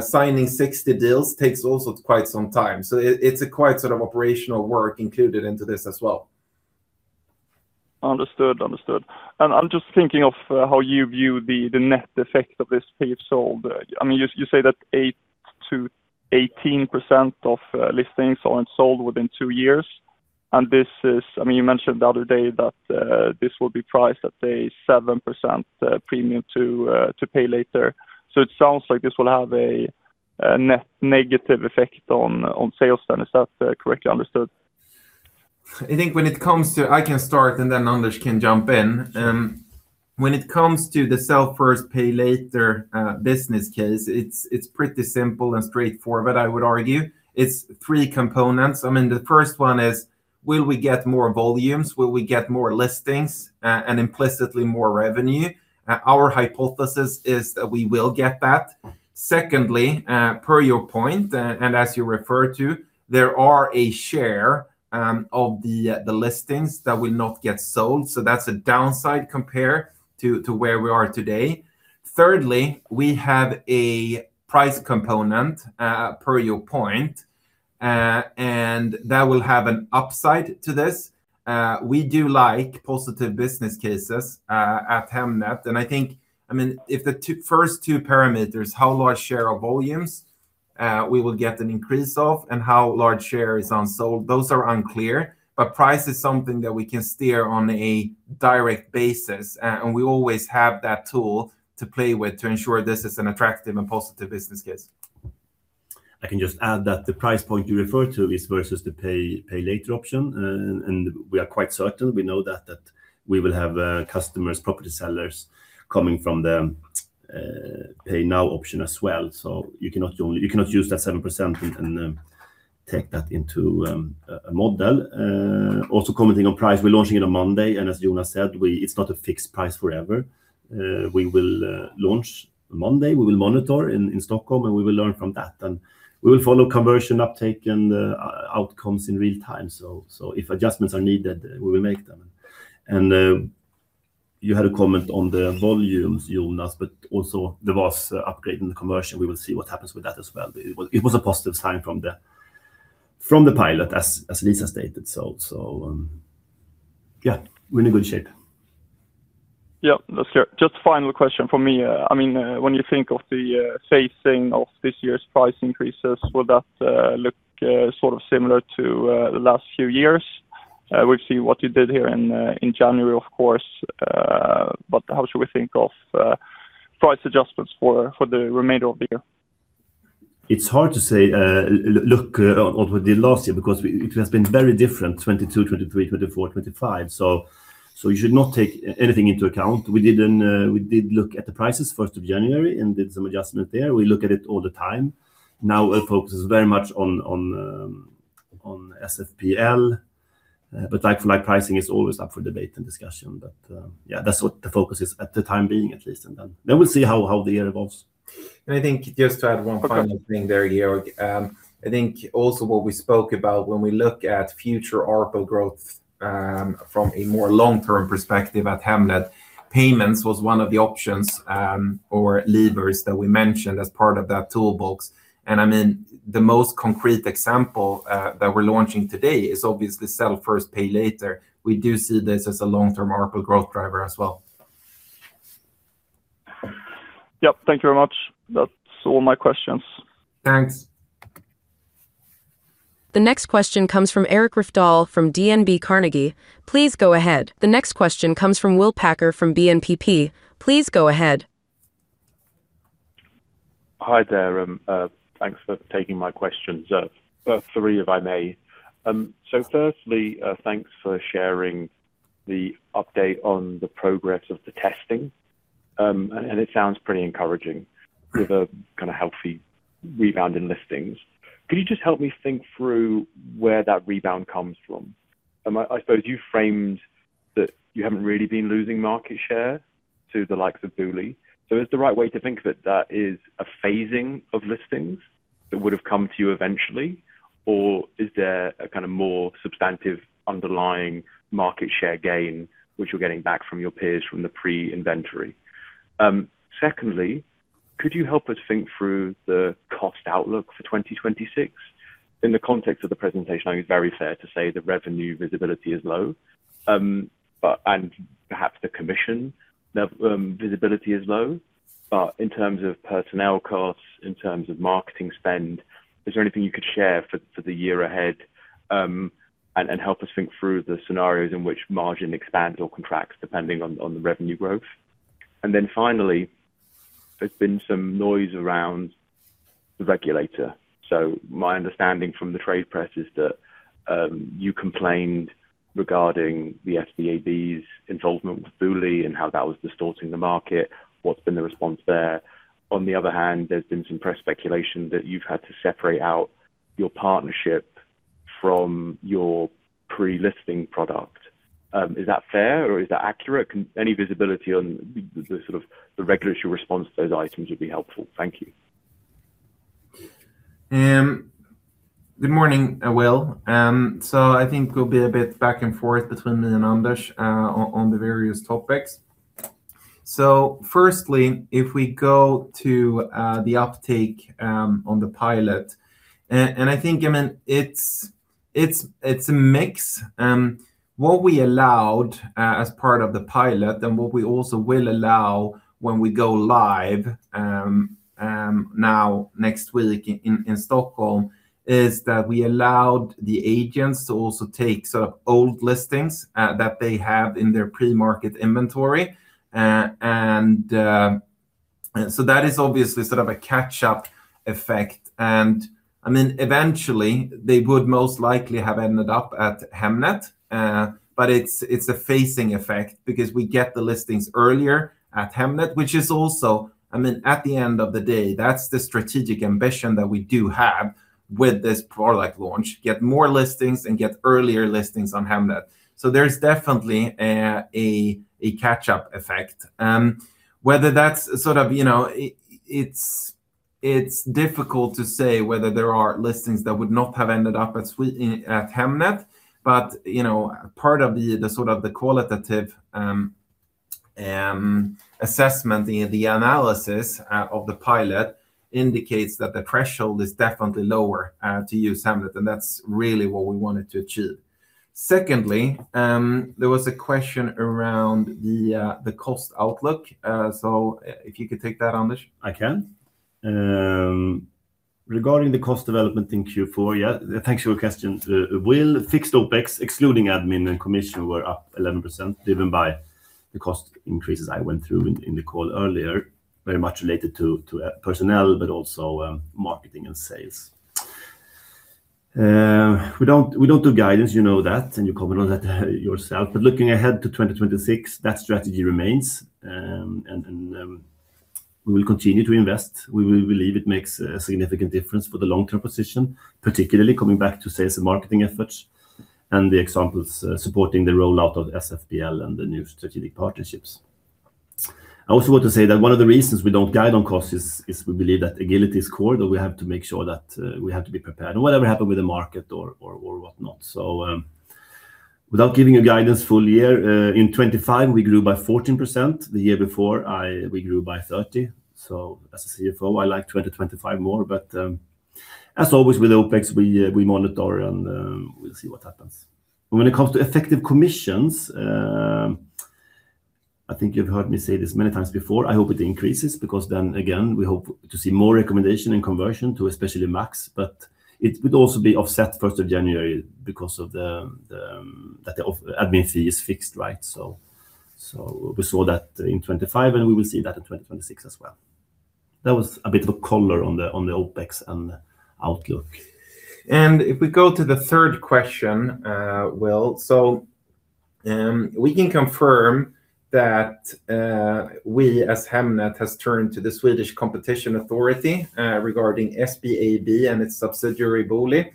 signing 60 deals takes also quite some time. So it's a quite sort of operational work included into this as well. Understood. Understood. And I'm just thinking of how you view the net effect of this pay sold. I mean, you say that 8%-18% of listings aren't sold within two years, and I mean, you mentioned the other day that this will be priced at a 7% premium to Pay Later. So it sounds like this will have a net negative effect on sales. Is that correctly understood? I think when it comes to I can start, and then Anders can jump in. When it comes to the Sell First, Pay Later business case, it's pretty simple and straightforward, I would argue. It's three components. I mean, the first one is, will we get more volumes? Will we get more listings, and implicitly more revenue? Our hypothesis is that we will get that. Secondly, per your point, and as you referred to, there are a share of the listings that will not get sold, so that's a downside compare to where we are today. Thirdly, we have a price component, per your point, and that will have an upside to this. We do like positive business cases at Hemnet, and I think—I mean, if the first two parameters, how large share of volumes we will get an increase of, and how large share is on sold, those are unclear, but price is something that we can steer on a direct basis, and we always have that tool to play with to ensure this is an attractive and positive business case. I can just add that the price point you referred to is versus the pay, Pay Later option, and we are quite certain. We know that we will have customers, property sellers, coming from the Pay Now option as well. So you cannot only-- you cannot use that 7% and take that into a model. Also commenting on price, we're launching it on Monday, and as Jonas said, we- it's not a fixed price forever. We will launch Monday, we will monitor in Stockholm, and we will learn from that. And we will follow conversion, uptake, and outcomes in real time. So if adjustments are needed, we will make them. And you had a comment on the volumes, Jonas, but also there was upgrade in the conversion. We will see what happens with that as well. It was a positive sign from the pilot, as Lisa stated. So, yeah, we're in a good shape. Yeah, that's clear. Just final question for me. I mean, when you think of the phasing of this year's price increases, will that look sort of similar to the last few years? We've seen what you did here in January, of course, but how should we think of price adjustments for the remainder of the year? It's hard to say, look, over the last year, because it has been very different, 2022, 2023, 2024, 2025. So you should not take anything into account. We didn't. We did look at the prices first of January and did some adjustment there. We look at it all the time. Now, our focus is very much on SFPL, but like-for-like pricing is always up for debate and discussion. But yeah, that's what the focus is, at the time being, at least, and then we'll see how the year evolves. And I think just to add one final thing there, Georg. I think also what we spoke about when we look at future ARPL growth, from a more long-term perspective at Hemnet, payments was one of the options, or levers that we mentioned as part of that toolbox. And I mean, the most concrete example, that we're launching today is obviously Sell First, Pay Later. We do see this as a long-term ARPL growth driver as well. Yep. Thank you very much. That's all my questions. Thanks. The next question comes from Eirik Rafdal from DNB Carnegie. Please go ahead. The next question comes from Will Packer from BNPP. Please go ahead. Hi there, thanks for taking my questions. So three, if I may. So firstly, thanks for sharing the update on the progress of the testing. And it sounds pretty encouraging, with a kinda healthy rebound in listings. Could you just help me think through where that rebound comes from? I suppose you framed that you haven't really been losing market share to the likes of Booli, so is the right way to think that that is a phasing of listings that would have come to you eventually? Or is there a kinda more substantive, underlying market share gain, which you're getting back from your peers, from the pre-inventory? Secondly, could you help us think through the cost outlook for 2026? In the context of the presentation, I think it's very fair to say the revenue visibility is low, but and perhaps the commission visibility is low. But in terms of personnel costs, in terms of marketing spend, is there anything you could share for the year ahead, and help us think through the scenarios in which margin expands or contracts, depending on the revenue growth? And then finally, there's been some noise around the regulator. So my understanding from the trade press is that you complained regarding the SBAB's involvement with Booli and how that was distorting the market. What's been the response there? On the other hand, there's been some press speculation that you've had to separate out your partnership from your pre-listing product. Is that fair, or is that accurate? Any visibility on the sort of regulatory response to those items would be helpful. Thank you. Good morning, Will. So I think we'll be a bit back and forth between me and Anders on the various topics. So firstly, if we go to the uptake on the pilot, and I think, I mean, it's a mix what we allowed as part of the pilot and what we also will allow when we go live now, next week in Stockholm, is that we allowed the agents to also take sort of old listings that they have in their pre-market inventory. And so that is obviously sort of a catch-up effect, and I mean, eventually, they would most likely have ended up at Hemnet. But it's a phasing effect because we get the listings earlier at Hemnet, which is also, I mean, at the end of the day, that's the strategic ambition that we do have with this product launch, get more listings and get earlier listings on Hemnet. So there's definitely a catch-up effect. Whether that's sort of, you know, it's difficult to say whether there are listings that would not have ended up at Hemnet, but you know, part of the sort of qualitative assessment, the analysis of the pilot indicates that the threshold is definitely lower to use Hemnet, and that's really what we wanted to achieve. Secondly, there was a question around the cost outlook, so if you could take that, Anders. I can. Regarding the cost development in Q4, yeah, thanks for your question, Will. Fixed OpEx, excluding admin and commission, were up 11%, driven by the cost increases I went through in the call earlier, very much related to personnel, but also marketing and sales. We don't do guidance, you know that, and you commented on that yourself. But looking ahead to 2026, that strategy remains. And we will continue to invest. We believe it makes a significant difference for the long-term position, particularly coming back to sales and marketing efforts and the examples supporting the rollout of SFPL and the new strategic partnerships. I also want to say that one of the reasons we don't guide on costs is we believe that agility is core, that we have to make sure that we have to be prepared, and whatever happened with the market or whatnot. So, without giving you guidance full year, in 25, we grew by 14%. The year before, we grew by 30. So as a CFO, I like 2025 more, but, as always, with OpEx, we monitor and we'll see what happens. When it comes to effective commissions, I think you've heard me say this many times before, I hope it increases, because then again, we hope to see more recommendation and conversion to especially Max, but it would also be offset first of January because of the- That the admin fee is fixed, right? So we saw that in 2025, and we will see that in 2026 as well. That was a bit of a color on the OpEx and outlook. If we go to the third question, well, so, we can confirm that we, as Hemnet, has turned to the Swedish Competition Authority regarding SBAB and its subsidiary, Booli.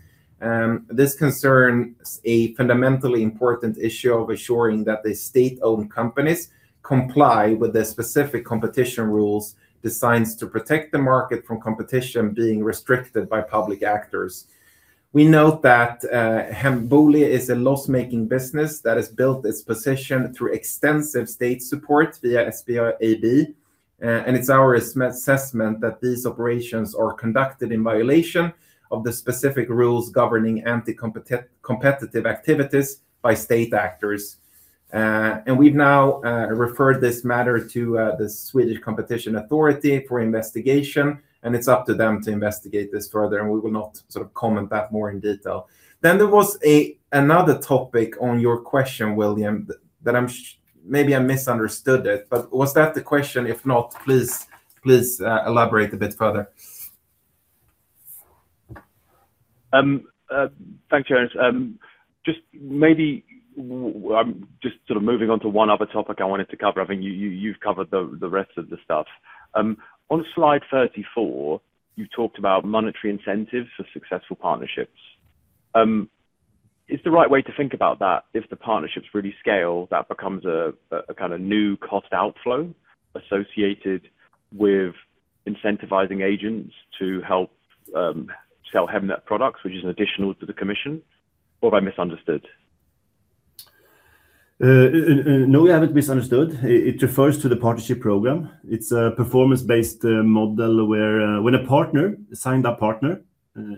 This concerns a fundamentally important issue of assuring that the state-owned companies comply with the specific competition rules designed to protect the market from competition being restricted by public actors. We note that Booli is a loss-making business that has built its position through extensive state support via SBAB, and it's our assessment that these operations are conducted in violation of the specific rules governing anti-competitive activities by state actors. And we've now referred this matter to the Swedish Competition Authority for investigation, and it's up to them to investigate this further, and we will not sort of comment that more in detail. Then there was another topic on your question, William, that I'm, maybe I misunderstood it, but was that the question? If not, please, please, elaborate a bit further. Thanks, Jonas. Just maybe just sort of moving on to one other topic I wanted to cover. I think you've covered the rest of the stuff. On slide 34, you talked about monetary incentives for successful partnerships. Is the right way to think about that, if the partnerships really scale, that becomes a kind of new cost outflow associated with incentivizing agents to help sell Hemnet products, which is an additional to the commission, or have I misunderstood? No, you haven't misunderstood. It refers to the partnership program. It's a performance-based model where, when a partner, a signed-up partner,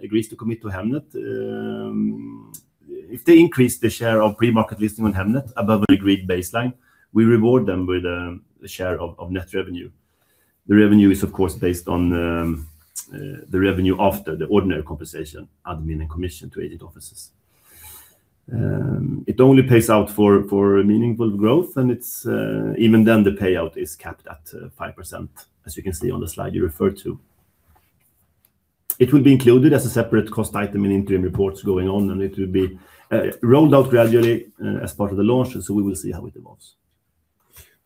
agrees to commit to Hemnet, if they increase the share of pre-market listing on Hemnet above an agreed baseline, we reward them with a share of net revenue. The revenue is, of course, based on the revenue after the ordinary compensation, admin, and commission to agent offices. It only pays out for meaningful growth, and it's even then, the payout is capped at 5%, as you can see on the slide you referred to. It will be included as a separate cost item in interim reports going on, and it will be rolled out gradually as part of the launch, so we will see how it evolves.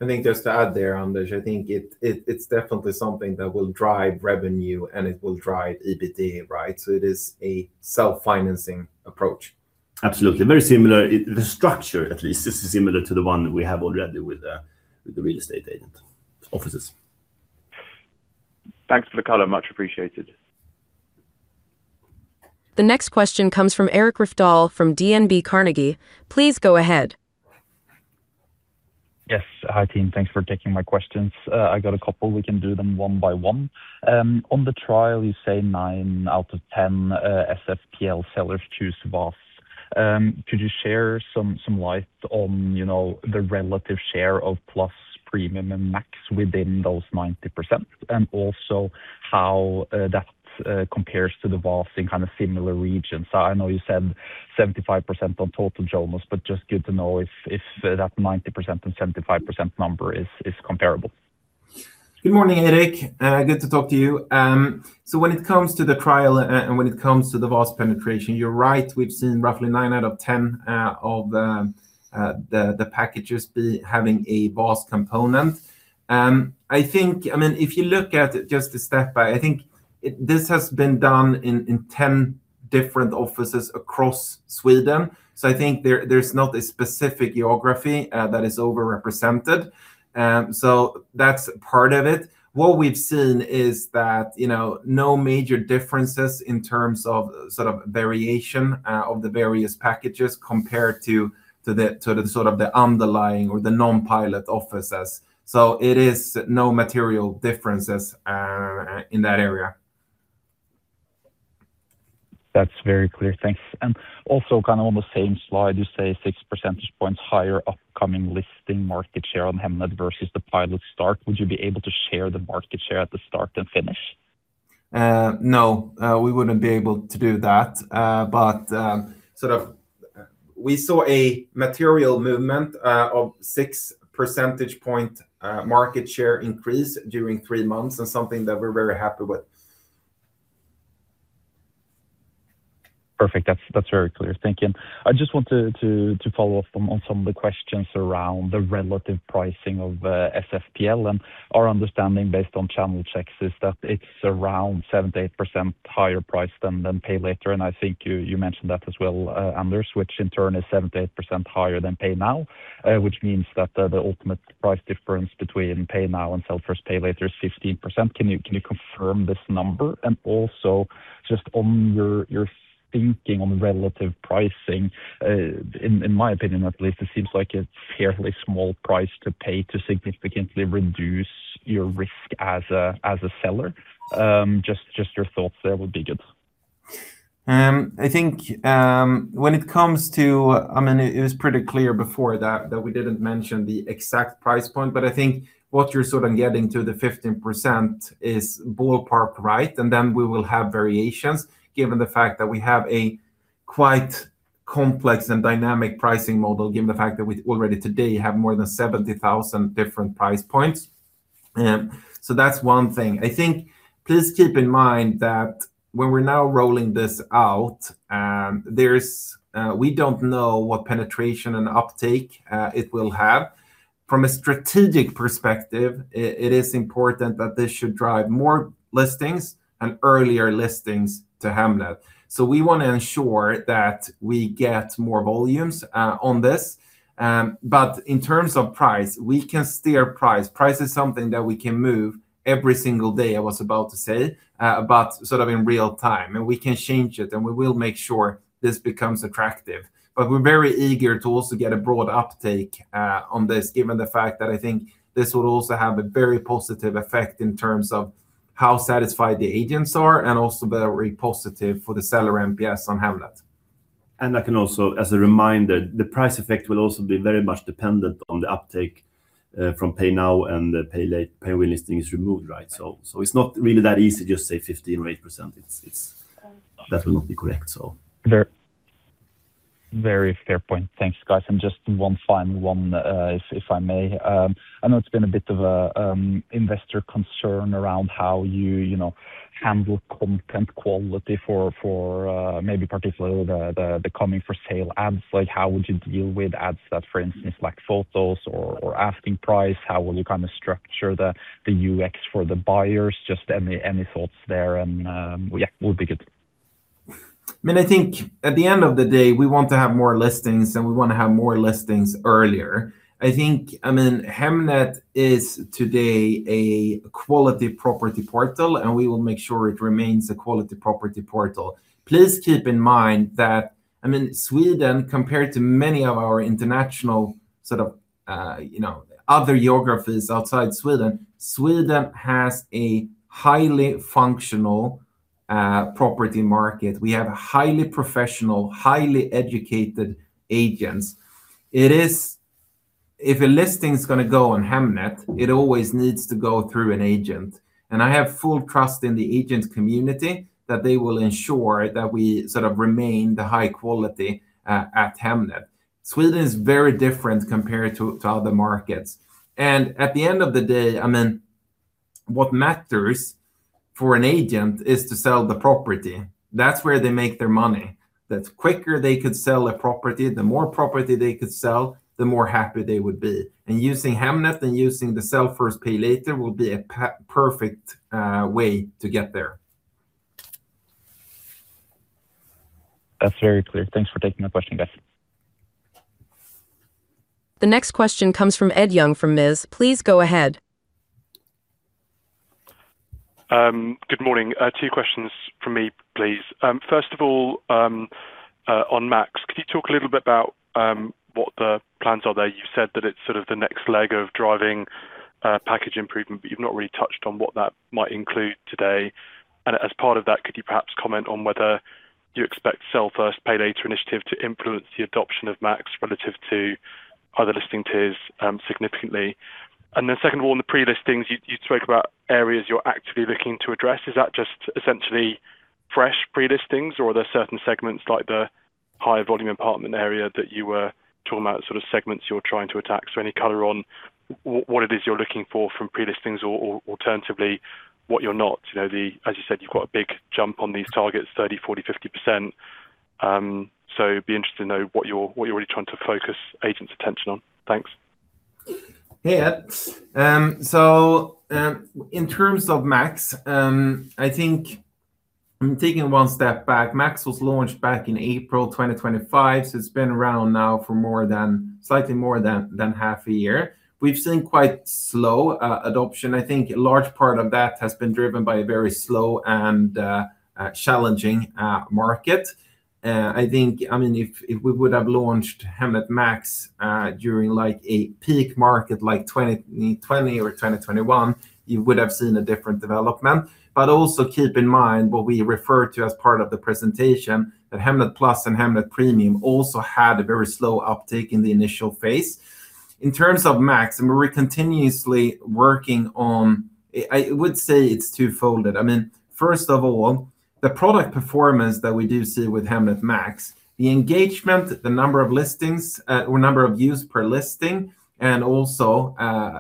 I think just to add there, Anders, I think it's definitely something that will drive revenue, and it will drive EBITDA, right? So it is a self-financing approach. Absolutely. Very similar. The structure, at least, this is similar to the one we have already with the real estate agent offices. Thanks for the color. Much appreciated. The next question comes from Eirik Rafdal from DNB Carnegie. Please go ahead. Yes. Hi, team. Thanks for taking my questions. I got a couple. We can do them one by one. On the trial, you say nine out of ten SFPL sellers choose VAS. Could you share some, some light on, you know, the relative share of Plus, Premium, and Max within those 90%, and also how that compares to the VAS in kind of similar regions? I know you said 75% on total listings, but just good to know if, if that 90% and 75% number is comparable. Good morning, Eirik, good to talk to you. So when it comes to the trial and when it comes to the VAS penetration, you're right. We've seen roughly 9 out of 10 of the packages behaving a VAS component. I think, I mean, if you look at it, just to step back, I think this has been done in 10 different offices across Sweden, so I think there's not a specific geography that is overrepresented. So that's part of it. What we've seen is that, you know, no major differences in terms of, sort of variation of the various packages compared to the sort of the underlying or the non-pilot offices. So it is no material differences in that area. That's very clear. Thanks. And also, kind of on the same slide, you say 6 percentage points higher Upcoming listing market share on Hemnet versus the pilot start. Would you be able to share the market share at the start and finish? No, we wouldn't be able to do that. But sort of, we saw a material movement of 6 percentage point market share increase during 3 months, and something that we're very happy with. Perfect. That's very clear. Thank you. I just want to follow up on some of the questions around the relative pricing of SFPL. And our understanding, based on channel checks, is that it's around 78% higher price than Pay Later, and I think you mentioned that as well, Anders, which in turn is 78% higher than Pay Now, which means that the ultimate price difference between Pay Now and Sell First, Pay Later is 15%. Can you confirm this number? And also, just on your thinking on the relative pricing, in my opinion at least, it seems like a fairly small price to pay to significantly reduce your risk as a seller. Just your thoughts there would be good. I think when it comes to. I mean, it was pretty clear before that we didn't mention the exact price point, but I think what you're sort of getting to the 15% is ballpark right, and then we will have variations, given the fact that we have quite complex and dynamic pricing model, given the fact that we already today have more than 70,000 different price points. So that's one thing. I think please keep in mind that when we're now rolling this out, there's we don't know what penetration and uptake it will have. From a strategic perspective, it is important that this should drive more listings and earlier listings to Hemnet. So we wanna ensure that we get more volumes on this. But in terms of price, we can steer price. Price is something that we can move every single day, I was about to say, but sort of in real time, and we can change it, and we will make sure this becomes attractive. But we're very eager to also get a broad uptake, on this, given the fact that I think this will also have a very positive effect in terms of how satisfied the agents are and also very positive for the seller NPS on Hemnet. I can also, as a reminder, the price effect will also be very much dependent on the uptake from Pay Now and the Pay Later, Pay When Listing Is Removed, right? So it's not really that easy to just say 15% or 8%. It's. That will not be correct, so. Very, very fair point. Thanks, guys, and just one final one, if I may. I know it's been a bit of a investor concern around how you, you know, handle content quality for maybe particularly the coming for sale ads. Like, how would you deal with ads that, for instance, like photos or asking price? How will you kinda structure the UX for the buyers? Just any thoughts there, and yeah, would be good. I mean, I think at the end of the day, we want to have more listings, and we wanna have more listings earlier. I think, I mean, Hemnet is today a quality property portal, and we will make sure it remains a quality property portal. Please keep in mind that, I mean, Sweden, compared to many of our international sort of, you know, other geographies outside Sweden, Sweden has a highly functional, property market. We have highly professional, highly educated agents. It is, If a listing is gonna go on Hemnet, it always needs to go through an agent, and I have full trust in the agent community that they will ensure that we sort of remain the high quality at Hemnet. Sweden is very different compared to other markets, and at the end of the day, I mean, what matters for an agent is to sell the property. That's where they make their money. The quicker they could sell a property, the more property they could sell, the more happy they would be. And using Hemnet and using Sell First, Pay Later will be a perfect way to get there. That's very clear. Thanks for taking my question, guys. The next question comes from Ed Young, from Miz. Please go ahead. Good morning. Two questions from me, please. First of all, on Max, could you talk a little bit about what the plans are there? You've said that it's sort of the next leg of driving package improvement, but you've not really touched on what that might include today. And as part of that, could you perhaps comment on whether you expect Sell First, Pay Later initiative to influence the adoption of Max relative to other listing tiers significantly? And then second of all, in the pre-listings, you spoke about areas you're actively looking to address. Is that just essentially fresh pre-listings, or are there certain segments like the higher volume apartment area that you were talking about, sort of segments you're trying to attack? So any color on what it is you're looking for from pre-listings or alternatively, what you're not? You know, the- As you said, you've got a big jump on these targets, 30, 40, 50%. So be interested to know what you're really trying to focus agents' attention on. Thanks. Hey, Ed. So, in terms of Max, I think taking one step back, Max was launched back in April 2025, so it's been around now for more than slightly more than half a year. We've seen quite slow adoption. I think a large part of that has been driven by a very slow and challenging market. I think, I mean, if we would have launched Hemnet Max during, like, a peak market like 2020 or 2021, you would have seen a different development. But also keep in mind what we referred to as part of the presentation, that Hemnet Plus and Hemnet Premium also had a very slow uptake in the initial phase. In terms of Max, and we're continuously working on, I would say it's twofold. I mean, first of all, the product performance that we do see with Hemnet Max, the engagement, the number of listings, or number of views per listing, and also,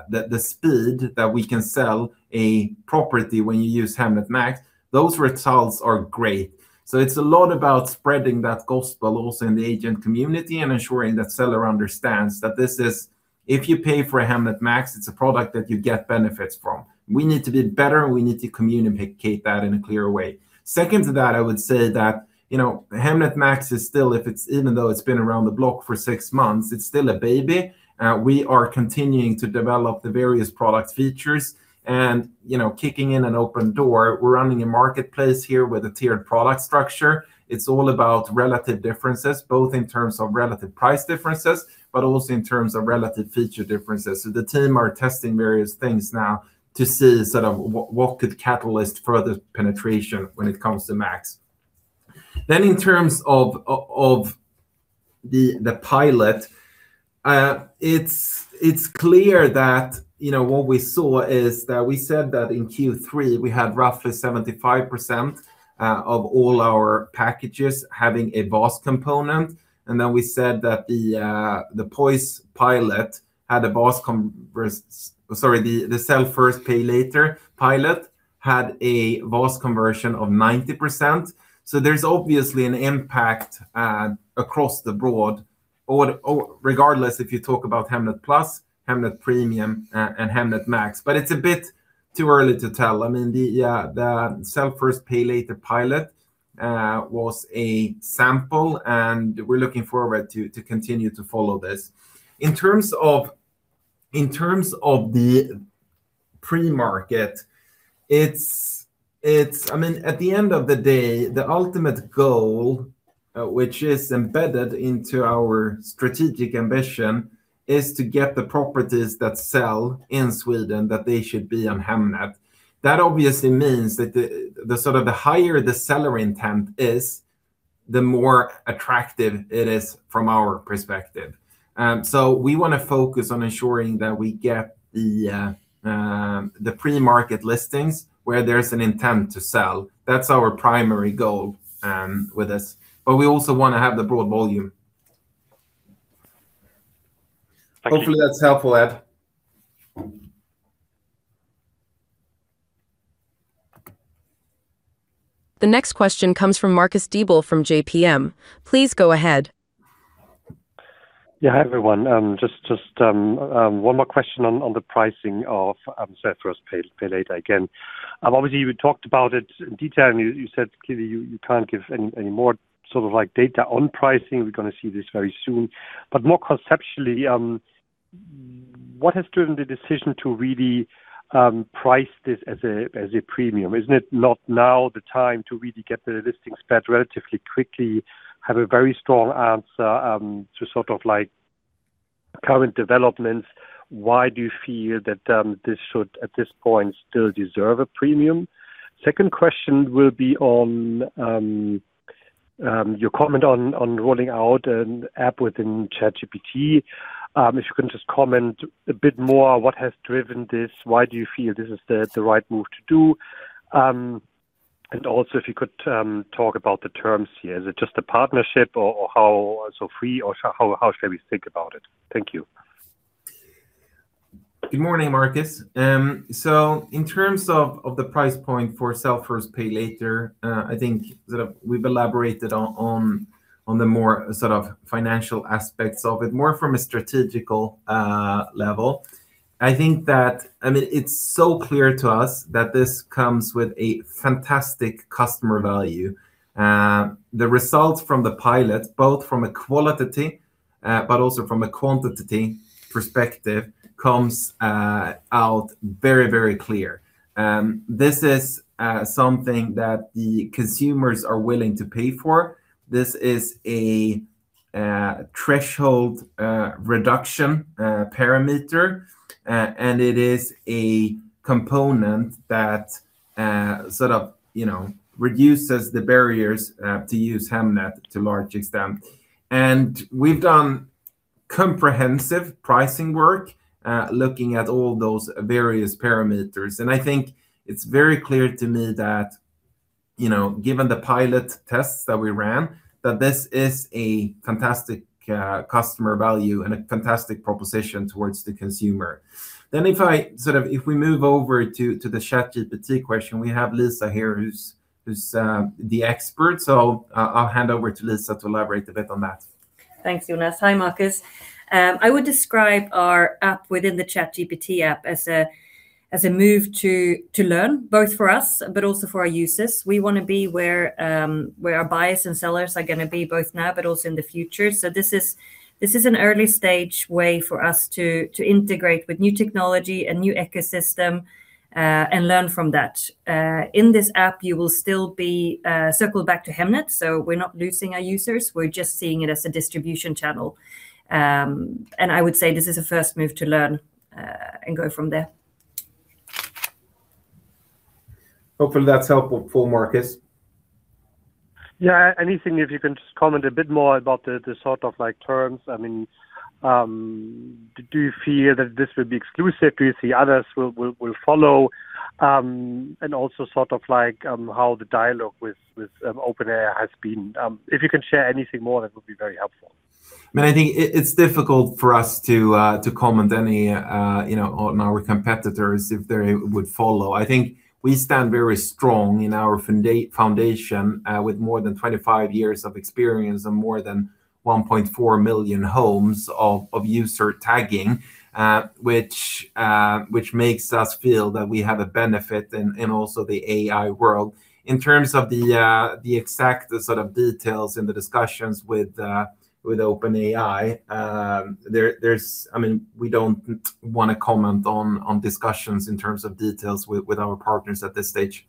the, the speed that we can sell a property when you use Hemnet Max, those results are great. So it's a lot about spreading that gospel also in the agent community and ensuring that seller understands that this is. If you pay for Hemnet Max, it's a product that you get benefits from. We need to do better, and we need to communicate that in a clearer way. Second to that, I would say that, you know, Hemnet Max is still, if it's even though it's been around the block for six months, it's still a baby. We are continuing to develop the various product features and, you know, kicking in an open door. We're running a marketplace here with a tiered product structure. It's all about relative differences, both in terms of relative price differences, but also in terms of relative feature differences. So the team are testing various things now to see sort of what could catalyst further penetration when it comes to Max. Then in terms of the pilot, it's clear that, you know, what we saw is that we said that in Q3, we had roughly 75% of all our packages having a VAS component. And then we said that the Sell First, Pay Later pilot had a VAS conversion of 90%. So there's obviously an impact across the board or regardless if you talk about Hemnet Plus, Hemnet Premium, and Hemnet Max. But it's a bit too early to tell. I mean, the Sell First, Pay Later pilot was a sample, and we're looking forward to continue to follow this. In terms of the pre-market, it's I mean, at the end of the day, the ultimate goal, which is embedded into our strategic ambition, is to get the properties that sell in Sweden, that they should be on Hemnet. That obviously means that the higher the seller intent is, the more attractive it is from our perspective. So we wanna focus on ensuring that we get the pre-market listings, where there's an intent to sell. That's our primary goal with this, but we also wanna have the broad volume. Thank you. Hopefully that's helpful, Ed. The next question comes from Marcus Diebel from JPM. Please go ahead. Yeah, hi, everyone. Just one more question on the pricing of Sell First, Pay Later again. Obviously, you talked about it in detail, and you said clearly you can't give any more sort of like data on pricing. We're gonna see this very soon. But more conceptually, what has driven the decision to really price this as a premium? Isn't it not now the time to really get the listings back relatively quickly, have a very strong answer to sort of like current developments? Why do you feel that this should, at this point, still deserve a premium? Second question will be on your comment on rolling out an app within ChatGPT. If you can just comment a bit more, what has driven this? Why do you feel this is the right move to do? And also, if you could talk about the terms here. Is it just a partnership or how. So free or how should we think about it? Thank you. Good morning, Marcus. So in terms of the price point for Sell First, Pay Later, I think sort of we've elaborated on the more sort of financial aspects of it. More from a strategic level, I think that, I mean, it's so clear to us that this comes with a fantastic customer value. The results from the pilot, both from a quality but also from a quantity perspective, comes out very, very clear. This is something that the consumers are willing to pay for. This is a threshold reduction parameter, and it is a component that sort of, you know, reduces the barriers to use Hemnet to a large extent. We've done comprehensive pricing work, looking at all those various parameters, and I think it's very clear to me that, you know, given the pilot tests that we ran, that this is a fantastic customer value and a fantastic proposition towards the consumer. Then if I sort of, if we move over to the ChatGPT question, we have Lisa here, who's the expert. So I'll hand over to Lisa to elaborate a bit on that. Thanks, Jonas. Hi, Marcus. I would describe our app within the ChatGPT app as a move to learn, both for us, but also for our users. We wanna be where our buyers and sellers are gonna be, both now but also in the future. So this is an early-stage way for us to integrate with new technology and new ecosystem and learn from that. In this app, you will still be circled back to Hemnet, so we're not losing our users. We're just seeing it as a distribution channel. And I would say this is a first move to learn and go from there. Hopefully that's helpful for Marcus. Yeah, anything, if you can just comment a bit more about the sort of like terms. I mean, do you fear that this will be exclusive? Do you see others will follow? And also sort of like, how the dialogue with OpenAI has been. If you can share anything more, that would be very helpful. I mean, I think it, it's difficult for us to, to comment any, you know, on our competitors, if they would follow. I think we stand very strong in our foundation, with more than 25 years of experience and more than 1.4 million homes of, of user tagging, which, which makes us feel that we have a benefit in, in also the AI world. In terms of the, the exact, the sort of details in the discussions with, with OpenAI, there, there's-- I mean, we don't want to comment on, on discussions in terms of details with, with our partners at this stage.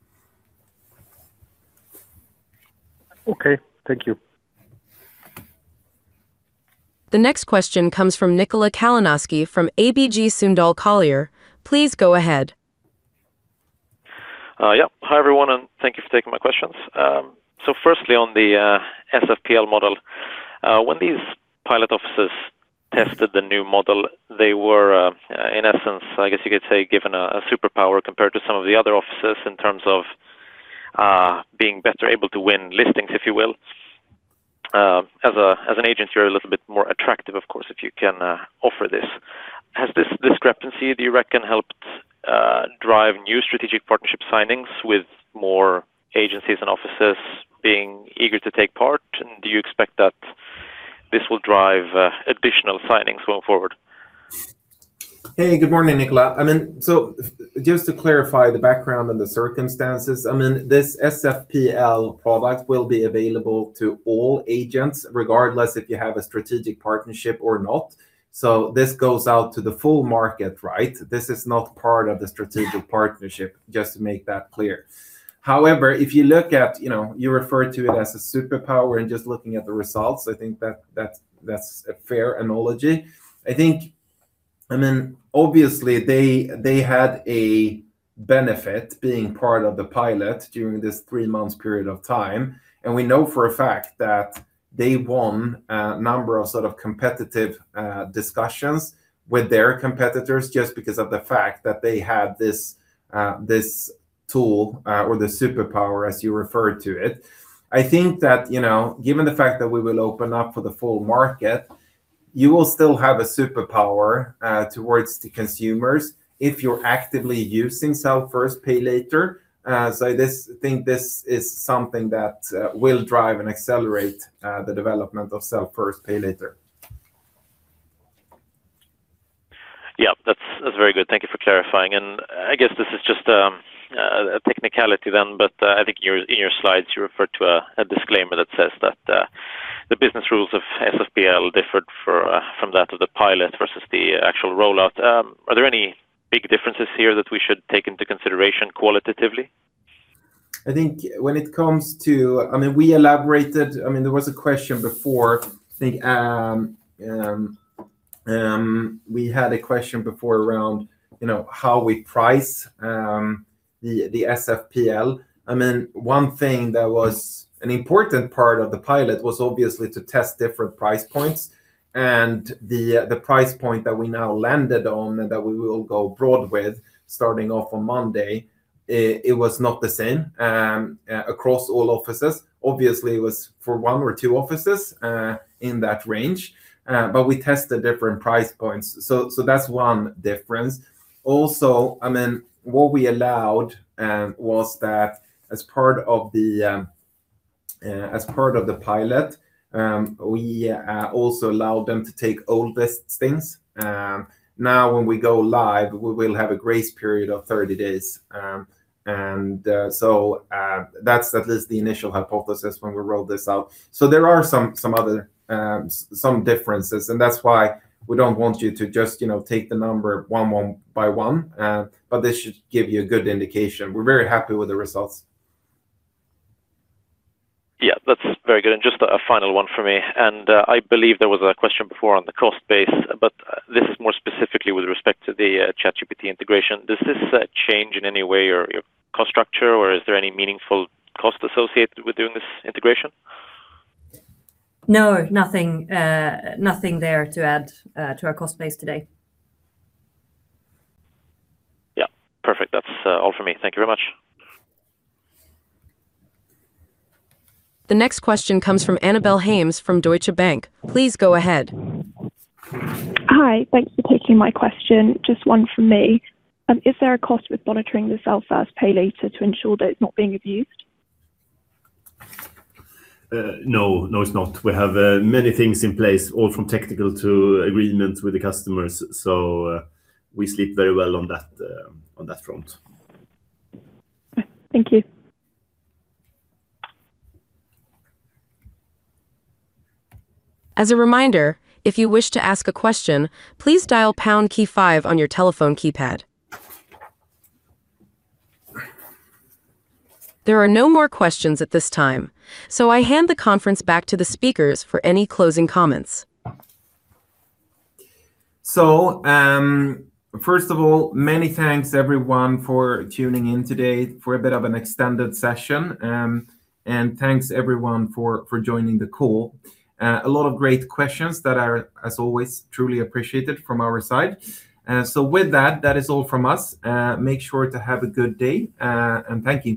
Okay, thank you. The next question comes from Nikola Kalanoski from ABG Sundal Collier. Please go ahead. Yeah. Hi, everyone, and thank you for taking my questions. So firstly, on the SFPL model, when these pilot offices tested the new model, they were in essence, I guess you could say, given a superpower compared to some of the other offices in terms of being better able to win listings, if you will. As an agent, you're a little bit more attractive, of course, if you can offer this. Has this discrepancy, do you reckon, helped drive new strategic partnership signings with more agencies and offices being eager to take part? And do you expect that this will drive additional signings going forward? Hey, good morning, Nicola. I mean, so just to clarify the background and the circumstances, I mean, this SFPL product will be available to all agents, regardless if you have a strategic partnership or not. So this goes out to the full market, right? This is not part of the strategic partnership, just to make that clear. However, if you look at, you know, you referred to it as a superpower and just looking at the results, I think that, that's, that's a fair analogy. I think, I mean, obviously, they, they had a benefit being part of the pilot during this three-month period of time, and we know for a fact that they won a number of sort of competitive discussions with their competitors just because of the fact that they had this, this tool or the superpower, as you referred to it. I think that, you know, given the fact that we will open up for the full market, you will still have a superpower, towards the consumers if you're actively using Sell First, Pay Later. So this, I think this is something that, will drive and accelerate, the development of Sell First, Pay Later. Yeah, that's, that's very good. Thank you for clarifying. And I guess this is just a technicality then, but I think your.- In your slides, you referred to a disclaimer that says that the business rules of SFPL differed from that of the pilot versus the actual rollout. Are there any big differences here that we should take into consideration qualitatively? I think when it comes to, I mean, we elaborated, I mean, there was a question before, I think, we had a question before around, you know, how we price the SFPL. I mean, one thing that was an important part of the pilot was obviously to test different price points, and the price point that we now landed on and that we will go broad with, starting off on Monday, it was not the same across all offices. Obviously, it was for one or two offices in that range, but we tested different price points. So that's one difference. Also, I mean, what we allowed was that as part of the pilot, we also allowed them to take old listings. Now, when we go live, we will have a grace period of 30 days. And, so, that's, that is the initial hypothesis when we rolled this out. So there are some other differences, and that's why we don't want you to just, you know, take the numbers one by one, but this should give you a good indication. We're very happy with the results. Yeah, that's very good. And just a final one from me, and I believe there was a question before on the cost base, but this is more specifically with respect to the ChatGPT integration. Does this change in any way your cost structure, or is there any meaningful cost associated with doing this integration? No, nothing, nothing there to add to our cost base today. Yeah, perfect. That's all for me. Thank you very much. The next question comes from Annabel Hames, from Deutsche Bank. Please go ahead. Hi. Thanks for taking my question. Just one from me. Is there a cost with monitoring the Sell First, Pay Later to ensure that it's not being abused? No. No, it's not. We have many things in place, all from technical to agreements with the customers, so we sleep very well on that, on that front. Thank you. As a reminder, if you wish to ask a question, please dial pound key five on your telephone keypad. There are no more questions at this time, so I hand the conference back to the speakers for any closing comments. First of all, many thanks, everyone, for tuning in today, for a bit of an extended session. Thanks, everyone, for joining the call. A lot of great questions that are, as always, truly appreciated from our side. With that, that is all from us. Make sure to have a good day, and thank you.